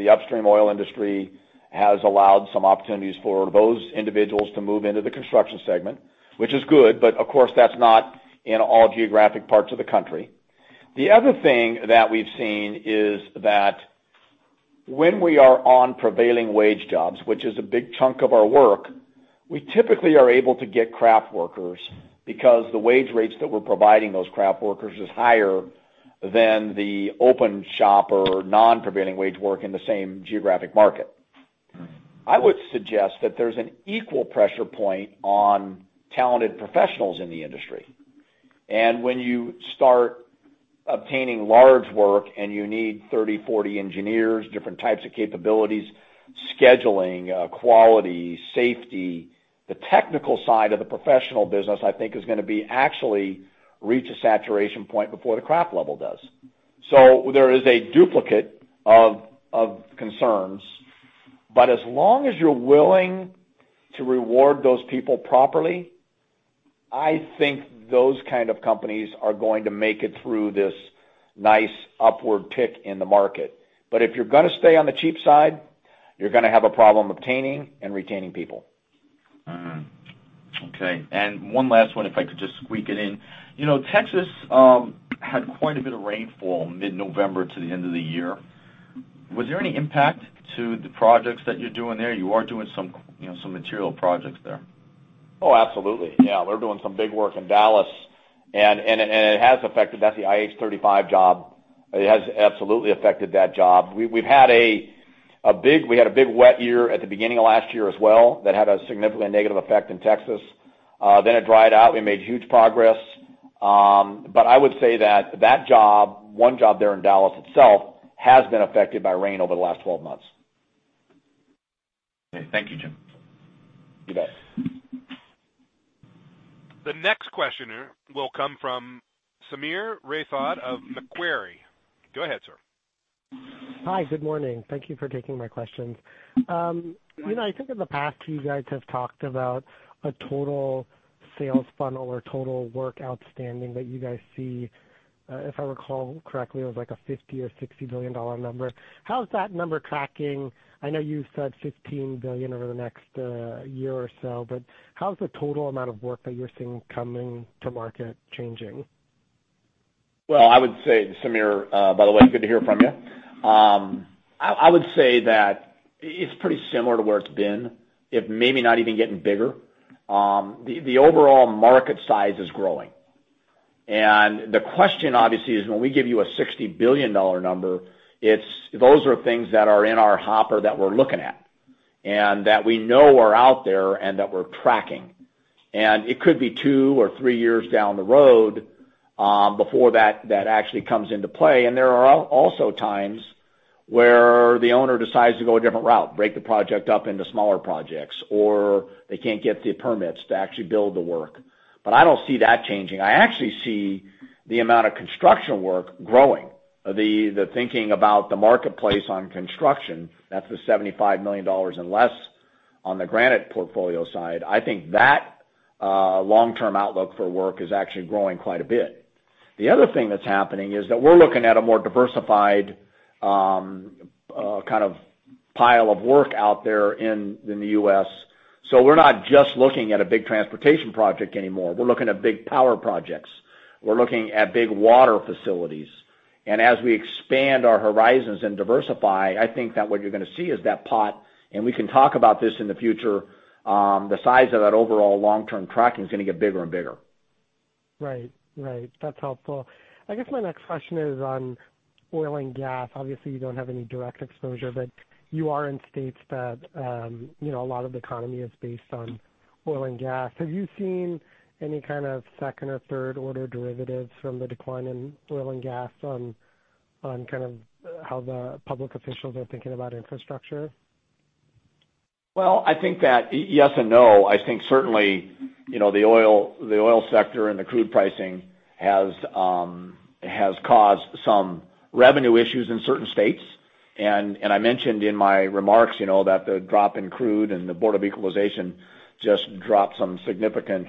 upstream oil industry has allowed some opportunities for those individuals to move into the Construction segment, which is good, but of course, that's not in all geographic parts of the country. The other thing that we've seen is that when we are on prevailing wage jobs, which is a big chunk of our work, we typically are able to get craft workers because the wage rates that we're providing those craft workers is higher than the open shop or non-prevailing wage work in the same geographic market. I would suggest that there's an equal pressure point on talented professionals in the industry. When you start obtaining large work and you need 30, 40 engineers, different types of capabilities, scheduling, quality, safety, the technical side of the professional business, I think, is gonna be actually reach a saturation point before the craft level does. So there is a duplicate of concerns, but as long as you're willing to reward those people properly, I think those kind of companies are going to make it through this nice upward tick in the market. But if you're gonna stay on the cheap side, you're gonna have a problem obtaining and retaining people. Mm-hmm. Okay, and one last one, if I could just squeak it in. You know, Texas had quite a bit of rainfall mid-November to the end of the year. Was there any impact to the projects that you're doing there? You are doing some, you know, some material projects there. Oh, absolutely. Yeah, we're doing some big work in Dallas, and it has affected... That's the IH-35 job. It has absolutely affected that job. We've had a big wet year at the beginning of last year as well that had a significantly negative effect in Texas. Then it dried out, we made huge progress. But I would say that that job, one job there in Dallas itself, has been affected by rain over the last 12 months. Okay. Thank you, Jim. You bet. The next questioner will come from Sameer Rathod of Macquarie. Go ahead, sir. Hi, good morning. Thank you for taking my questions. You know, I think in the past, you guys have talked about a total sales funnel or total work outstanding that you guys see, if I recall correctly, it was like a $50 billion or $60 billion number. How is that number tracking? I know you've said $15 billion over the next year or so, but how's the total amount of work that you're seeing coming to market changing? Well, I would say, Sameer, by the way, good to hear from you. I would say that it's pretty similar to where it's been, if maybe not even getting bigger. The overall market size is growing. And the question, obviously, is when we give you a $60 billion number, it's those are things that are in our hopper that we're looking at, and that we know are out there and that we're tracking. And it could be two or three years down the road, before that actually comes into play. And there are also times where the owner decides to go a different route, break the project up into smaller projects, or they can't get the permits to actually build the work. But I don't see that changing. I actually see the amount of construction work growing. The thinking about the marketplace on construction, that's the $75 million and less on the Granite portfolio side. I think that long-term outlook for work is actually growing quite a bit. The other thing that's happening is that we're looking at a more diversified kind of pile of work out there in the U.S. So we're not just looking at a big transportation project anymore. We're looking at big power projects. We're looking at big water facilities. And as we expand our horizons and diversify, I think that what you're gonna see is that pot, and we can talk about this in the future, the size of that overall long-term tracking is gonna get bigger and bigger. Right. Right, that's helpful. I guess my next question is on oil and gas. Obviously, you don't have any direct exposure, but you are in states that, you know, a lot of the economy is based on oil and gas. Have you seen any kind of second or third-order derivatives from the decline in oil and gas on, on kind of how the public officials are thinking about infrastructure? Well, I think that, yes and no. I think certainly, you know, the oil, the oil sector and the crude pricing has caused some revenue issues in certain states. And I mentioned in my remarks, you know, that the drop in crude and the Board of Equalization just dropped some significant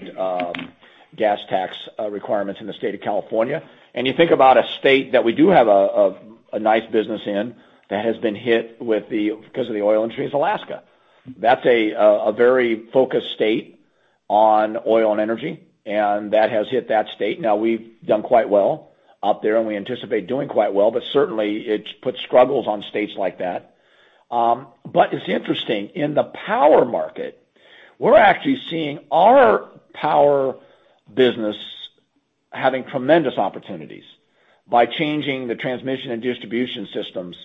gas tax requirements in the state of California. And you think about a state that we do have a nice business in that has been hit with the because of the oil industry, is Alaska. That's a very focused state on oil and energy, and that has hit that state. Now, we've done quite well out there, and we anticipate doing quite well, but certainly, it puts struggles on states like that. But it's interesting, in the power market, we're actually seeing our power business having tremendous opportunities by changing the transmission and distribution systems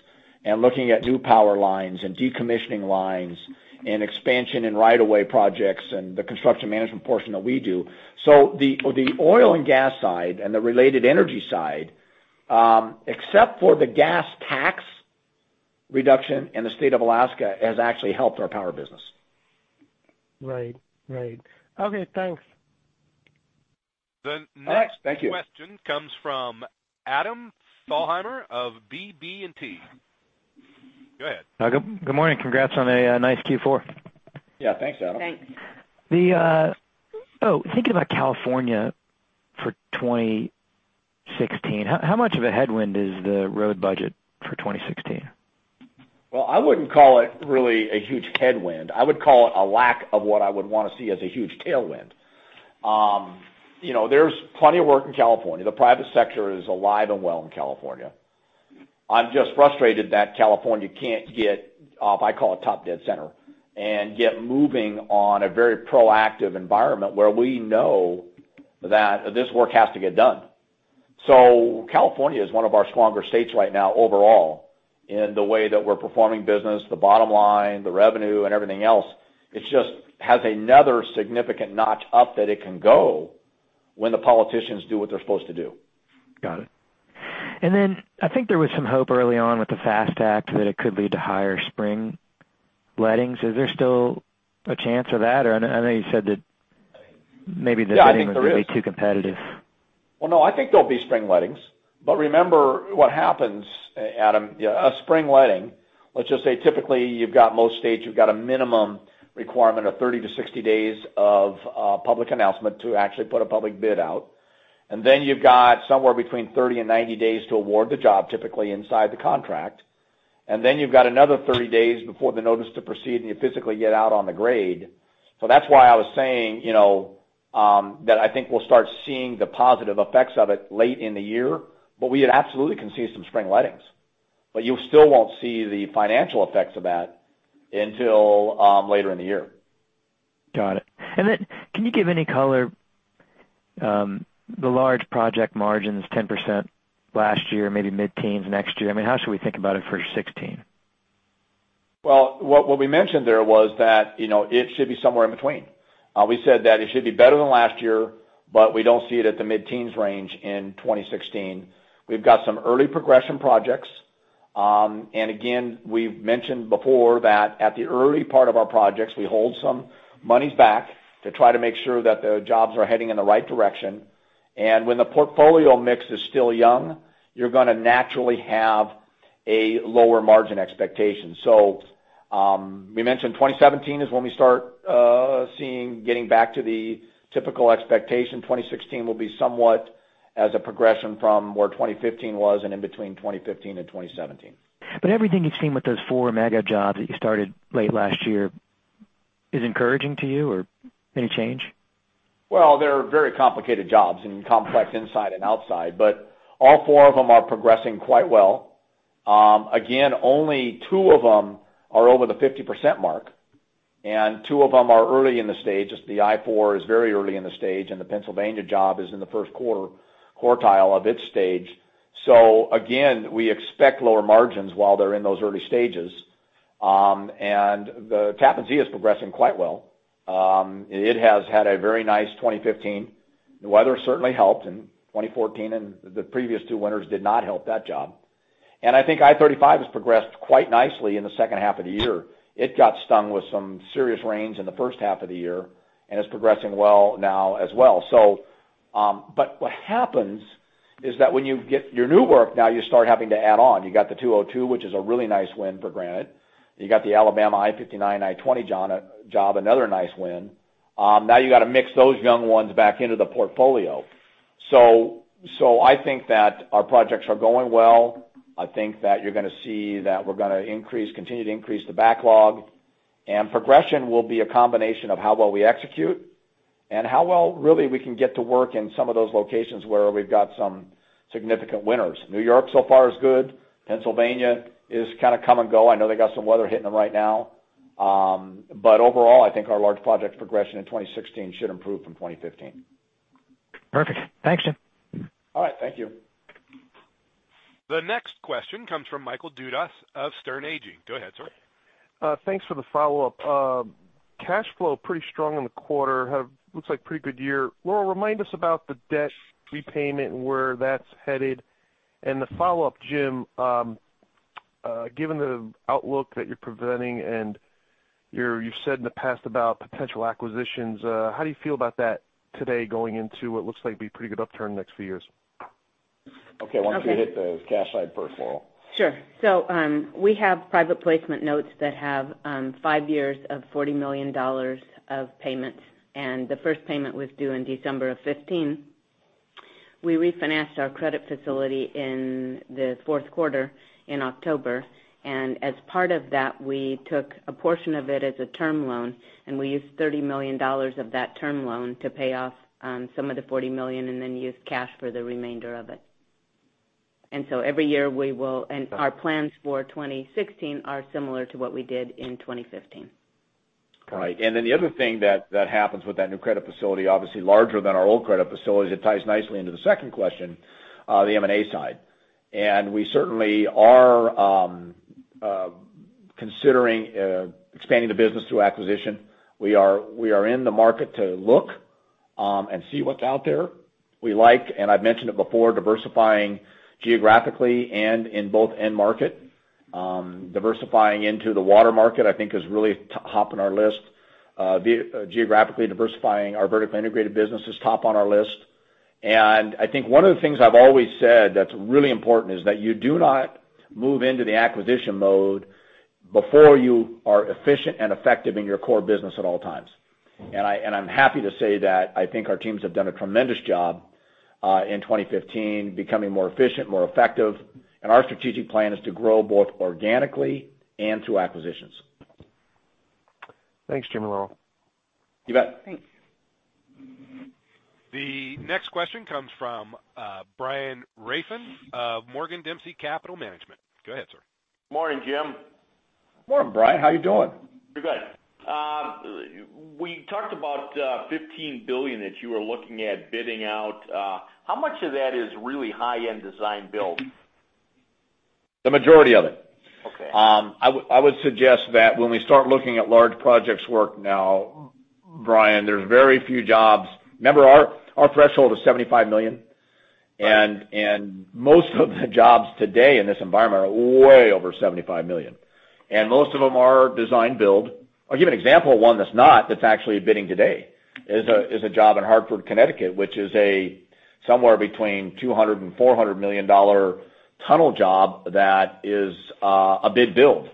and looking at new power lines and decommissioning lines and expansion and right of way projects and the construction management portion that we do. So the oil and gas side and the related energy side, except for the gas tax reduction in the state of Alaska, has actually helped our power business. Right. Right. Okay, thanks. The next- Thank you. - Question comes from Adam Thalhimer of BB&T. Go ahead. Good, good morning. Congrats on a nice Q4. Yeah, thanks, Adam. Thanks. Thinking about California for 2016, how, how much of a headwind is the road budget for 2016? Well, I wouldn't call it really a huge headwind. I would call it a lack of what I would want to see as a huge tailwind. You know, there's plenty of work in California. The private sector is alive and well in California. I'm just frustrated that California can't get, I call it top dead center, and get moving on a very proactive environment where we know that this work has to get done. So California is one of our stronger states right now, overall, in the way that we're performing business, the bottom line, the revenue and everything else. It just has another significant notch up that it can go when the politicians do what they're supposed to do. Got it. And then I think there was some hope early on with the FAST Act that it could lead to higher spring lettings. Is there still a chance of that? Or I, I know you said that maybe the letting- Yeah, I think there is. - was maybe too competitive. Well, no, I think there'll be spring lettings. But remember what happens, Adam, yeah, a spring letting, let's just say typically, you've got most states, you've got a minimum requirement of 30-60 days of public announcement to actually put a public bid out. And then you've got somewhere between 30 and 90 days to award the job, typically inside the contract. And then you've got another 30 days before the notice to proceed, and you physically get out on the grade. So that's why I was saying, you know, that I think we'll start seeing the positive effects of it late in the year, but we absolutely can see some spring lettings. But you still won't see the financial effects of that until later in the year. Got it. And then, can you give any color, the large project margins, 10% last year, maybe mid-teens next year? I mean, how should we think about it for 2016? Well, what we mentioned there was that, you know, it should be somewhere in between. We said that it should be better than last year, but we don't see it at the mid-teens range in 2016. We've got some early progression projects. And again, we've mentioned before that at the early part of our projects, we hold some monies back to try to make sure that the jobs are heading in the right direction. And when the portfolio mix is still young, you're gonna naturally have a lower margin expectation. So, we mentioned 2017 is when we start seeing getting back to the typical expectation. 2016 will be somewhat as a progression from where 2015 was and in between 2015 and 2017. But everything you've seen with those four mega jobs that you started late last year is encouraging to you, or any change? Well, they're very complicated jobs and complex inside and outside, but all four of them are progressing quite well. Again, only two of them are over the 50% mark, and two of them are early in the stage. The I-4 is very early in the stage, and the Pennsylvania job is in the first quartile of its stage. So again, we expect lower margins while they're in those early stages. And the Tappan Zee is progressing quite well. It has had a very nice 2015. The weather certainly helped in 2014, and the previous two winters did not help that job. And I think I-35 has progressed quite nicely in the second half of the year. It got stung with some serious rains in the first half of the year, and it's progressing well now as well. But what happens is that when you get your new work, now you start having to add on. You got the 202, which is a really nice win for Granite. You got the Alabama I-59/I-20 job, another nice win. Now you got to mix those new ones back into the portfolio. So, I think that our projects are going well. I think that you're gonna see that we're gonna increase, continue to increase the backlog, and progression will be a combination of how well we execute and how well, really, we can get to work in some of those locations where we've got some significant winners. New York, so far, is good. Pennsylvania is kinda come and go. I know they got some weather hitting them right now. But overall, I think our large project progression in 2016 should improve from 2015. Perfect. Thanks, Jim. All right, thank you. The next question comes from Michael Dudas of Sterne Agee. Go ahead, sir. Thanks for the follow-up. Cash flow, pretty strong in the quarter, have looks like pretty good year. Laurel, remind us about the debt repayment and where that's headed. And the follow-up, Jim, given the outlook that you're presenting and you've said in the past about potential acquisitions, how do you feel about that today, going into what looks like be pretty good upturn the next few years? Okay, why don't you hit the cash side first, Laurel? Sure. So, we have private placement notes that have, five years of $40 million of payments, and the first payment was due in December 2015. We refinanced our credit facility in the fourth quarter, in October, and as part of that, we took a portion of it as a term loan, and we used $30 million of that term loan to pay off, some of the $40 million, and then used cash for the remainder of it. And so every year, we will... And our plans for 2016 are similar to what we did in 2015. Right. And then the other thing that happens with that new credit facility, obviously larger than our old credit facility, is it ties nicely into the second question, the M&A side. And we certainly are considering expanding the business through acquisition. We are in the market to look and see what's out there. We like, and I've mentioned it before, diversifying geographically and in both end market. Diversifying into the water market, I think is really top on our list. Geographically, diversifying our vertically integrated business is top on our list. And I think one of the things I've always said that's really important, is that you do not move into the acquisition mode before you are efficient and effective in your core business at all times. I'm happy to say that I think our teams have done a tremendous job in 2015, becoming more efficient, more effective, and our strategic plan is to grow both organically and through acquisitions. Thanks, Jim and Laurel. You bet. Thanks. The next question comes from, Brian Rafn of Morgan Dempsey Capital Management. Go ahead, sir. Morning, Jim. Morning, Brian, how you doing? Pretty good. We talked about $15 billion that you were looking at bidding out. How much of that is really high-end design-build? The majority of it. Okay. I would suggest that when we start looking at large projects work now, Brian, there's very few jobs. Remember, our threshold is $75 million, and most of the jobs today in this environment are way over $75 million, and most of them are design build. I'll give you an example of one that's not, that's actually bidding today. It's a job in Hartford, Connecticut, which is somewhere between $200 million-$400 million tunnel job that is a bid build.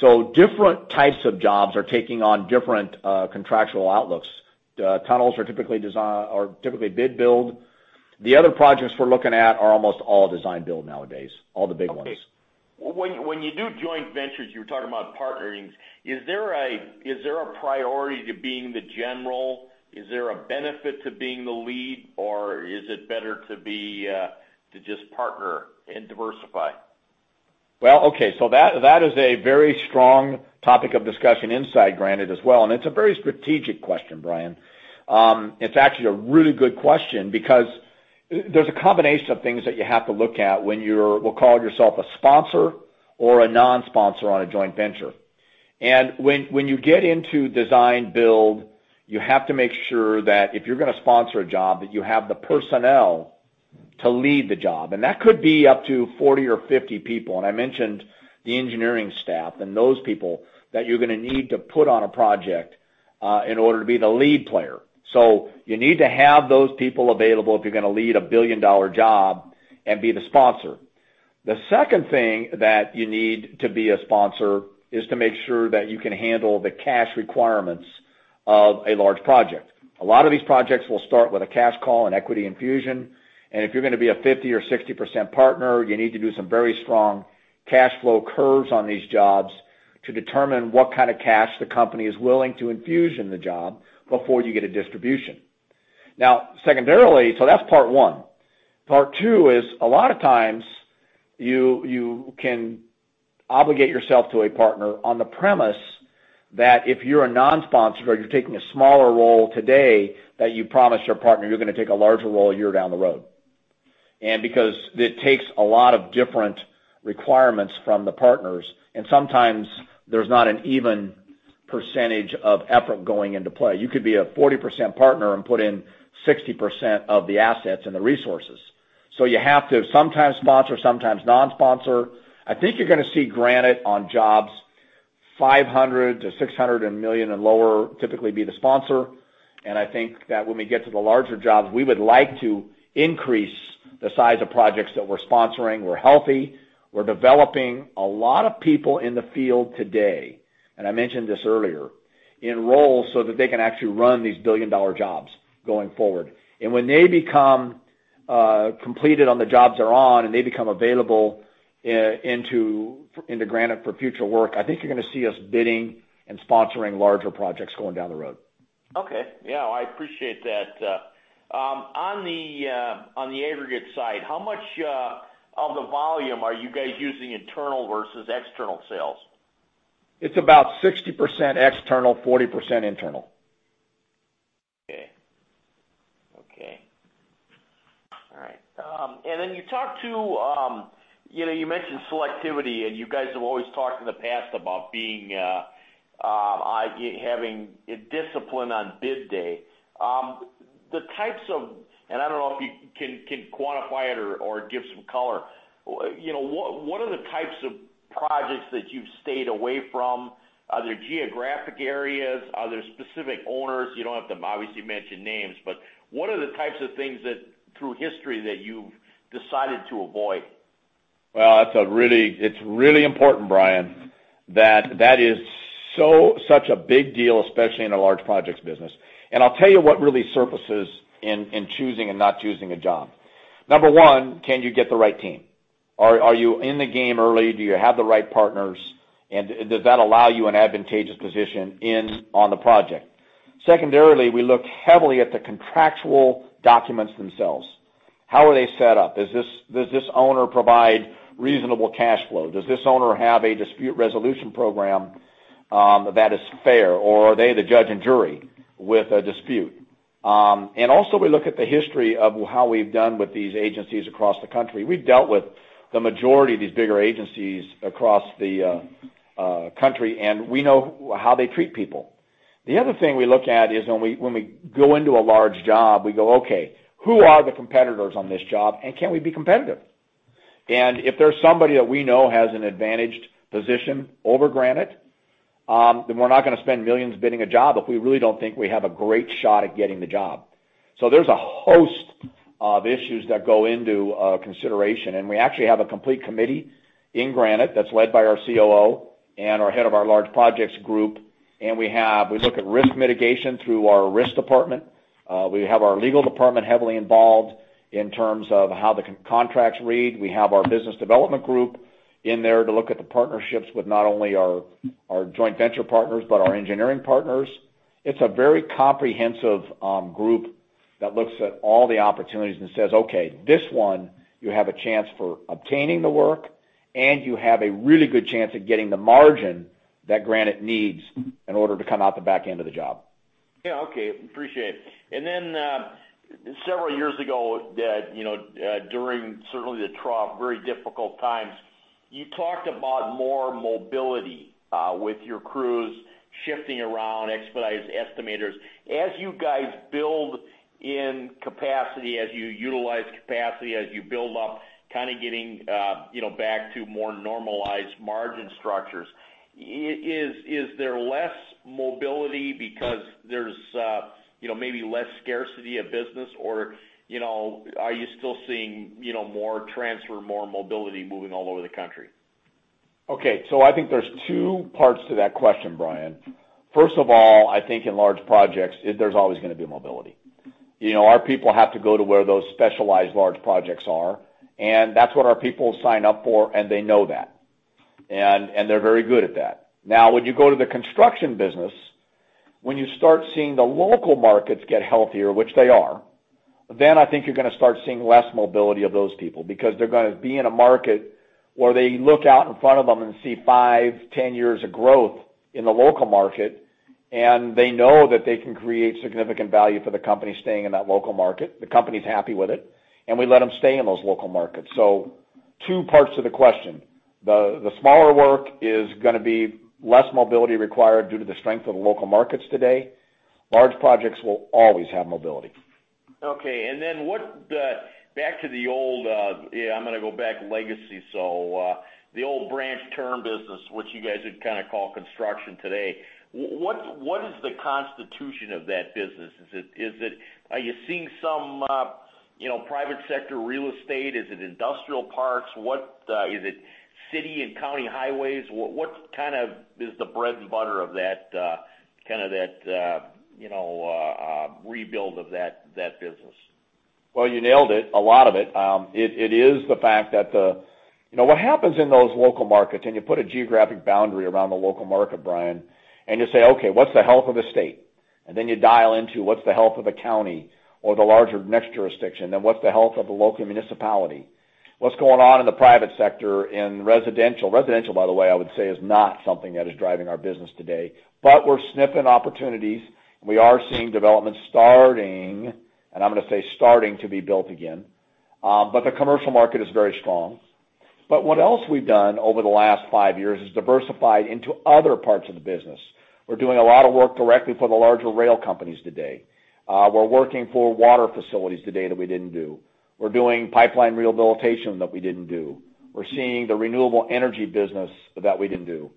So different types of jobs are taking on different contractual outlooks. Tunnels are typically bid build. The other projects we're looking at are almost all design build nowadays, all the big ones. Okay. When you do joint ventures, you were talking about partnering. Is there a priority to being the general? Is there a benefit to being the lead, or is it better to just partner and diversify? Well, okay, so that, that is a very strong topic of discussion inside Granite as well, and it's a very strategic question, Brian. It's actually a really good question because there's a combination of things that you have to look at when you're, we'll call yourself a sponsor or a non-sponsor on a joint venture. And when you get into design-build, you have to make sure that if you're gonna sponsor a job, that you have the personnel to lead the job. And that could be up to 40 or 50 people, and I mentioned the engineering staff and those people that you're gonna need to put on a project, in order to be the lead player. So you need to have those people available if you're gonna lead a billion-dollar job and be the sponsor. The second thing that you need to be a sponsor, is to make sure that you can handle the cash requirements of a large project. A lot of these projects will start with a cash call, an equity infusion, and if you're gonna be a 50% or 60% partner, you need to do some very strong cash flow curves on these jobs to determine what kind of cash the company is willing to infuse in the job before you get a distribution. Now, secondarily, so that's part one. Part two is, a lot of times, you can obligate yourself to a partner on the premise that if you're a non-sponsor or you're taking a smaller role today, that you promise your partner you're gonna take a larger role a year down the road. And because it takes a lot of different requirements from the partners, and sometimes there's not an even percentage of effort going into play. You could be a 40% partner and put in 60% of the assets and the resources. So you have to sometimes sponsor, sometimes non-sponsor. I think you're gonna see Granite on jobs $500 million-$600 million and lower, typically be the sponsor. And I think that when we get to the larger jobs, we would like to increase the size of projects that we're sponsoring. We're healthy. We're developing a lot of people in the field today, and I mentioned this earlier, in roles so that they can actually run these billion-dollar jobs going forward. When they become completed on the jobs they're on, and they become available into Granite for future work, I think you're gonna see us bidding and sponsoring larger projects going down the road. Okay. Yeah, I appreciate that. On the aggregate side, how much of the volume are you guys using internal versus external sales? It's about 60% external, 40% internal. Okay. Okay. All right, and then you talked to, you know, you mentioned selectivity, and you guys have always talked in the past about being, having discipline on bid day. The types of... And I don't know if you can quantify it or give some color. You know, what are the types of projects that you've stayed away from? Are there geographic areas? Are there specific owners? You don't have to, obviously, mention names, but what are the types of things that, through history, that you've decided to avoid? Well, that's really important, Brian. That is such a big deal, especially in a large projects business. And I'll tell you what really surfaces in choosing and not choosing a job. Number one, can you get the right team? Are you in the game early? Do you have the right partners? And does that allow you an advantageous position on the project? Secondarily, we look heavily at the contractual documents themselves. How are they set up? Does this owner provide reasonable cash flow? Does this owner have a dispute resolution program that is fair, or are they the judge and jury with a dispute? And also, we look at the history of how we've done with these agencies across the country. We've dealt with the majority of these bigger agencies across the country, and we know how they treat people. The other thing we look at is when we go into a large job, we go, "Okay, who are the competitors on this job, and can we be competitive?" And if there's somebody that we know has an advantaged position over Granite, then we're not gonna spend millions bidding a job if we really don't think we have a great shot at getting the job. So there's a host of issues that go into consideration, and we actually have a complete committee in Granite that's led by our COO and our head of our large projects group. And we look at risk mitigation through our risk department. We have our legal department heavily involved in terms of how the contracts read. We have our business development group in there to look at the partnerships with not only our joint venture partners, but our engineering partners. It's a very comprehensive group that looks at all the opportunities and says, "Okay, this one, you have a chance for obtaining the work, and you have a really good chance of getting the margin that Granite needs in order to come out the back end of the job. Yeah, okay. Appreciate it. And then, several years ago, you know, during certainly the trough, very difficult times, you talked about more mobility with your crews shifting around, expedited estimators. As you guys build in capacity, as you utilize capacity, as you build up, kind of getting, you know, back to more normalized margin structures, is there less mobility because there's, you know, maybe less scarcity of business? Or, you know, are you still seeing, you know, more transfer, more mobility moving all over the country? Okay, so I think there's two parts to that question, Brian. First of all, I think in large projects, there's always gonna be mobility. You know, our people have to go to where those specialized large projects are, and that's what our people sign up for, and they know that. And they're very good at that. Now, when you go to the construction business, when you start seeing the local markets get healthier, which they are, then I think you're gonna start seeing less mobility of those people. Because they're gonna be in a market where they look out in front of them and see five, 10 years of growth in the local market, and they know that they can create significant value for the company staying in that local market. The company's happy with it, and we let them stay in those local markets. Two parts to the question. The smaller work is gonna be less mobility required due to the strength of the local markets today. Large projects will always have mobility. Okay, and then what, back to the old, yeah, I'm gonna go back legacy, so, the old branch term business, which you guys would kind of call construction today. What is the constitution of that business? Is it, is it... Are you seeing some, you know, private sector real estate? Is it industrial parks? What is it city and county highways? What kind of is the bread and butter of that, kind of that, you know, rebuild of that business? Well, you nailed it, a lot of it. It is the fact that the... You know, what happens in those local markets, and you put a geographic boundary around the local market, Brian, and you say, "Okay, what's the health of the state?" Then you dial into what's the health of the county or the larger next jurisdiction, then what's the health of the local municipality? What's going on in the private sector, in residential? Residential, by the way, I would say, is not something that is driving our business today, but we're sniffing opportunities. We are seeing development starting, and I'm gonna say starting to be built again. But the commercial market is very strong. But what else we've done over the last five years is diversified into other parts of the business. We're doing a lot of work directly for the larger rail companies today. We're working for water facilities today that we didn't do. We're doing pipeline rehabilitation that we didn't do. We're seeing the renewable energy business that we didn't do.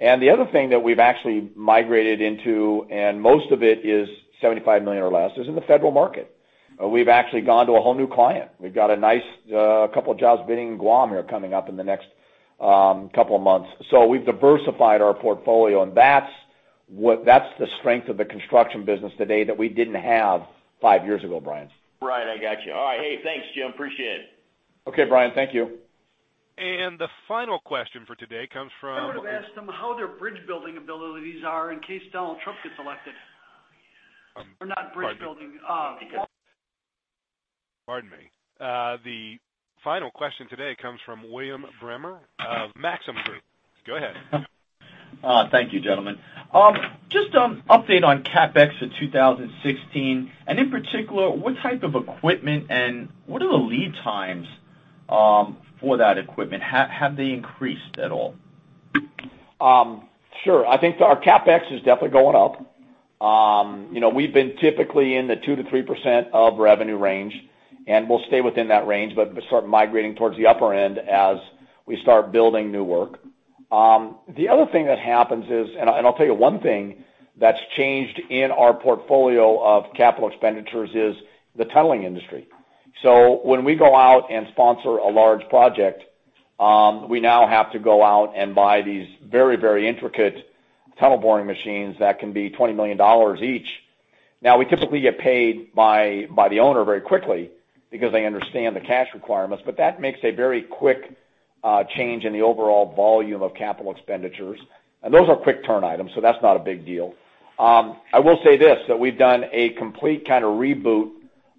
And the other thing that we've actually migrated into, and most of it is $75 million or less, is in the federal market. We've actually gone to a whole new client. We've got a nice couple of jobs bidding in Guam here, coming up in the next couple of months. So we've diversified our portfolio, and that's what-- that's the strength of the construction business today that we didn't have five years ago, Brian. Right, I got you. All right. Hey, thanks, Jim. Appreciate it. Okay, Brian. Thank you. The final question for today comes from I would have asked them how their bridge-building abilities are in case Donald Trump gets elected. Or not bridge-building, wall- Pardon me. The final question today comes from William Bremer of Maxim Group. Go ahead. Thank you, gentlemen. Just update on CapEx for 2016, and in particular, what type of equipment and what are the lead times for that equipment? Have they increased at all? Sure. I think our CapEx is definitely going up. You know, we've been typically in the 2%-3% of revenue range, and we'll stay within that range, but start migrating towards the upper end as we start building new work. The other thing that happens is, and I'll tell you one thing that's changed in our portfolio of capital expenditures is the tunneling industry. So when we go out and sponsor a large project, we now have to go out and buy these very, very intricate tunnel boring machines that can be $20 million each. Now, we typically get paid by the owner very quickly because they understand the cash requirements, but that makes a very quick change in the overall volume of capital expenditures. And those are quick turn items, so that's not a big deal. I will say this, that we've done a complete kind of reboot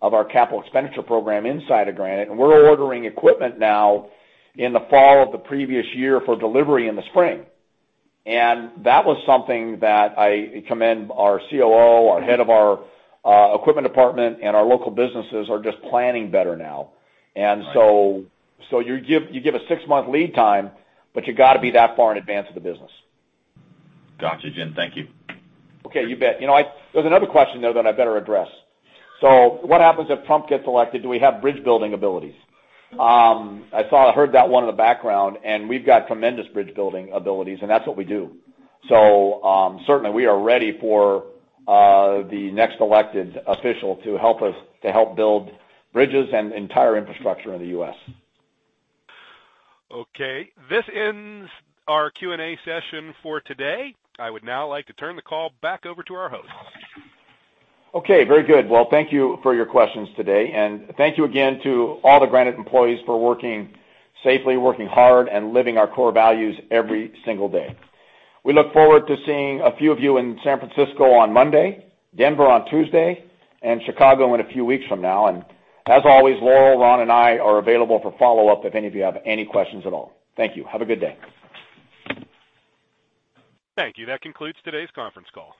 of our capital expenditure program inside of Granite, and we're ordering equipment now in the fall of the previous year for delivery in the spring. And that was something that I commend our COO, our head of our equipment department, and our local businesses are just planning better now. Right. So you give a six-month lead time, but you gotta be that far in advance of the business. Got you, Jim. Thank you. Okay, you bet. You know, there's another question, though, that I better address. So what happens if Trump gets elected? Do we have bridge-building abilities? I thought I heard that one in the background, and we've got tremendous bridge-building abilities, and that's what we do. So, certainly, we are ready for the next elected official to help us to help build bridges and entire infrastructure in the U.S. Okay. This ends our Q&A session for today. I would now like to turn the call back over to our host. Okay, very good. Well, thank you for your questions today, and thank you again to all the Granite employees for working safely, working hard, and living our core values every single day. We look forward to seeing a few of you in San Francisco on Monday, Denver on Tuesday, and Chicago in a few weeks from now. And as always, Laurel, Ron, and I are available for follow-up if any of you have any questions at all. Thank you. Have a good day. Thank you. That concludes today's conference call.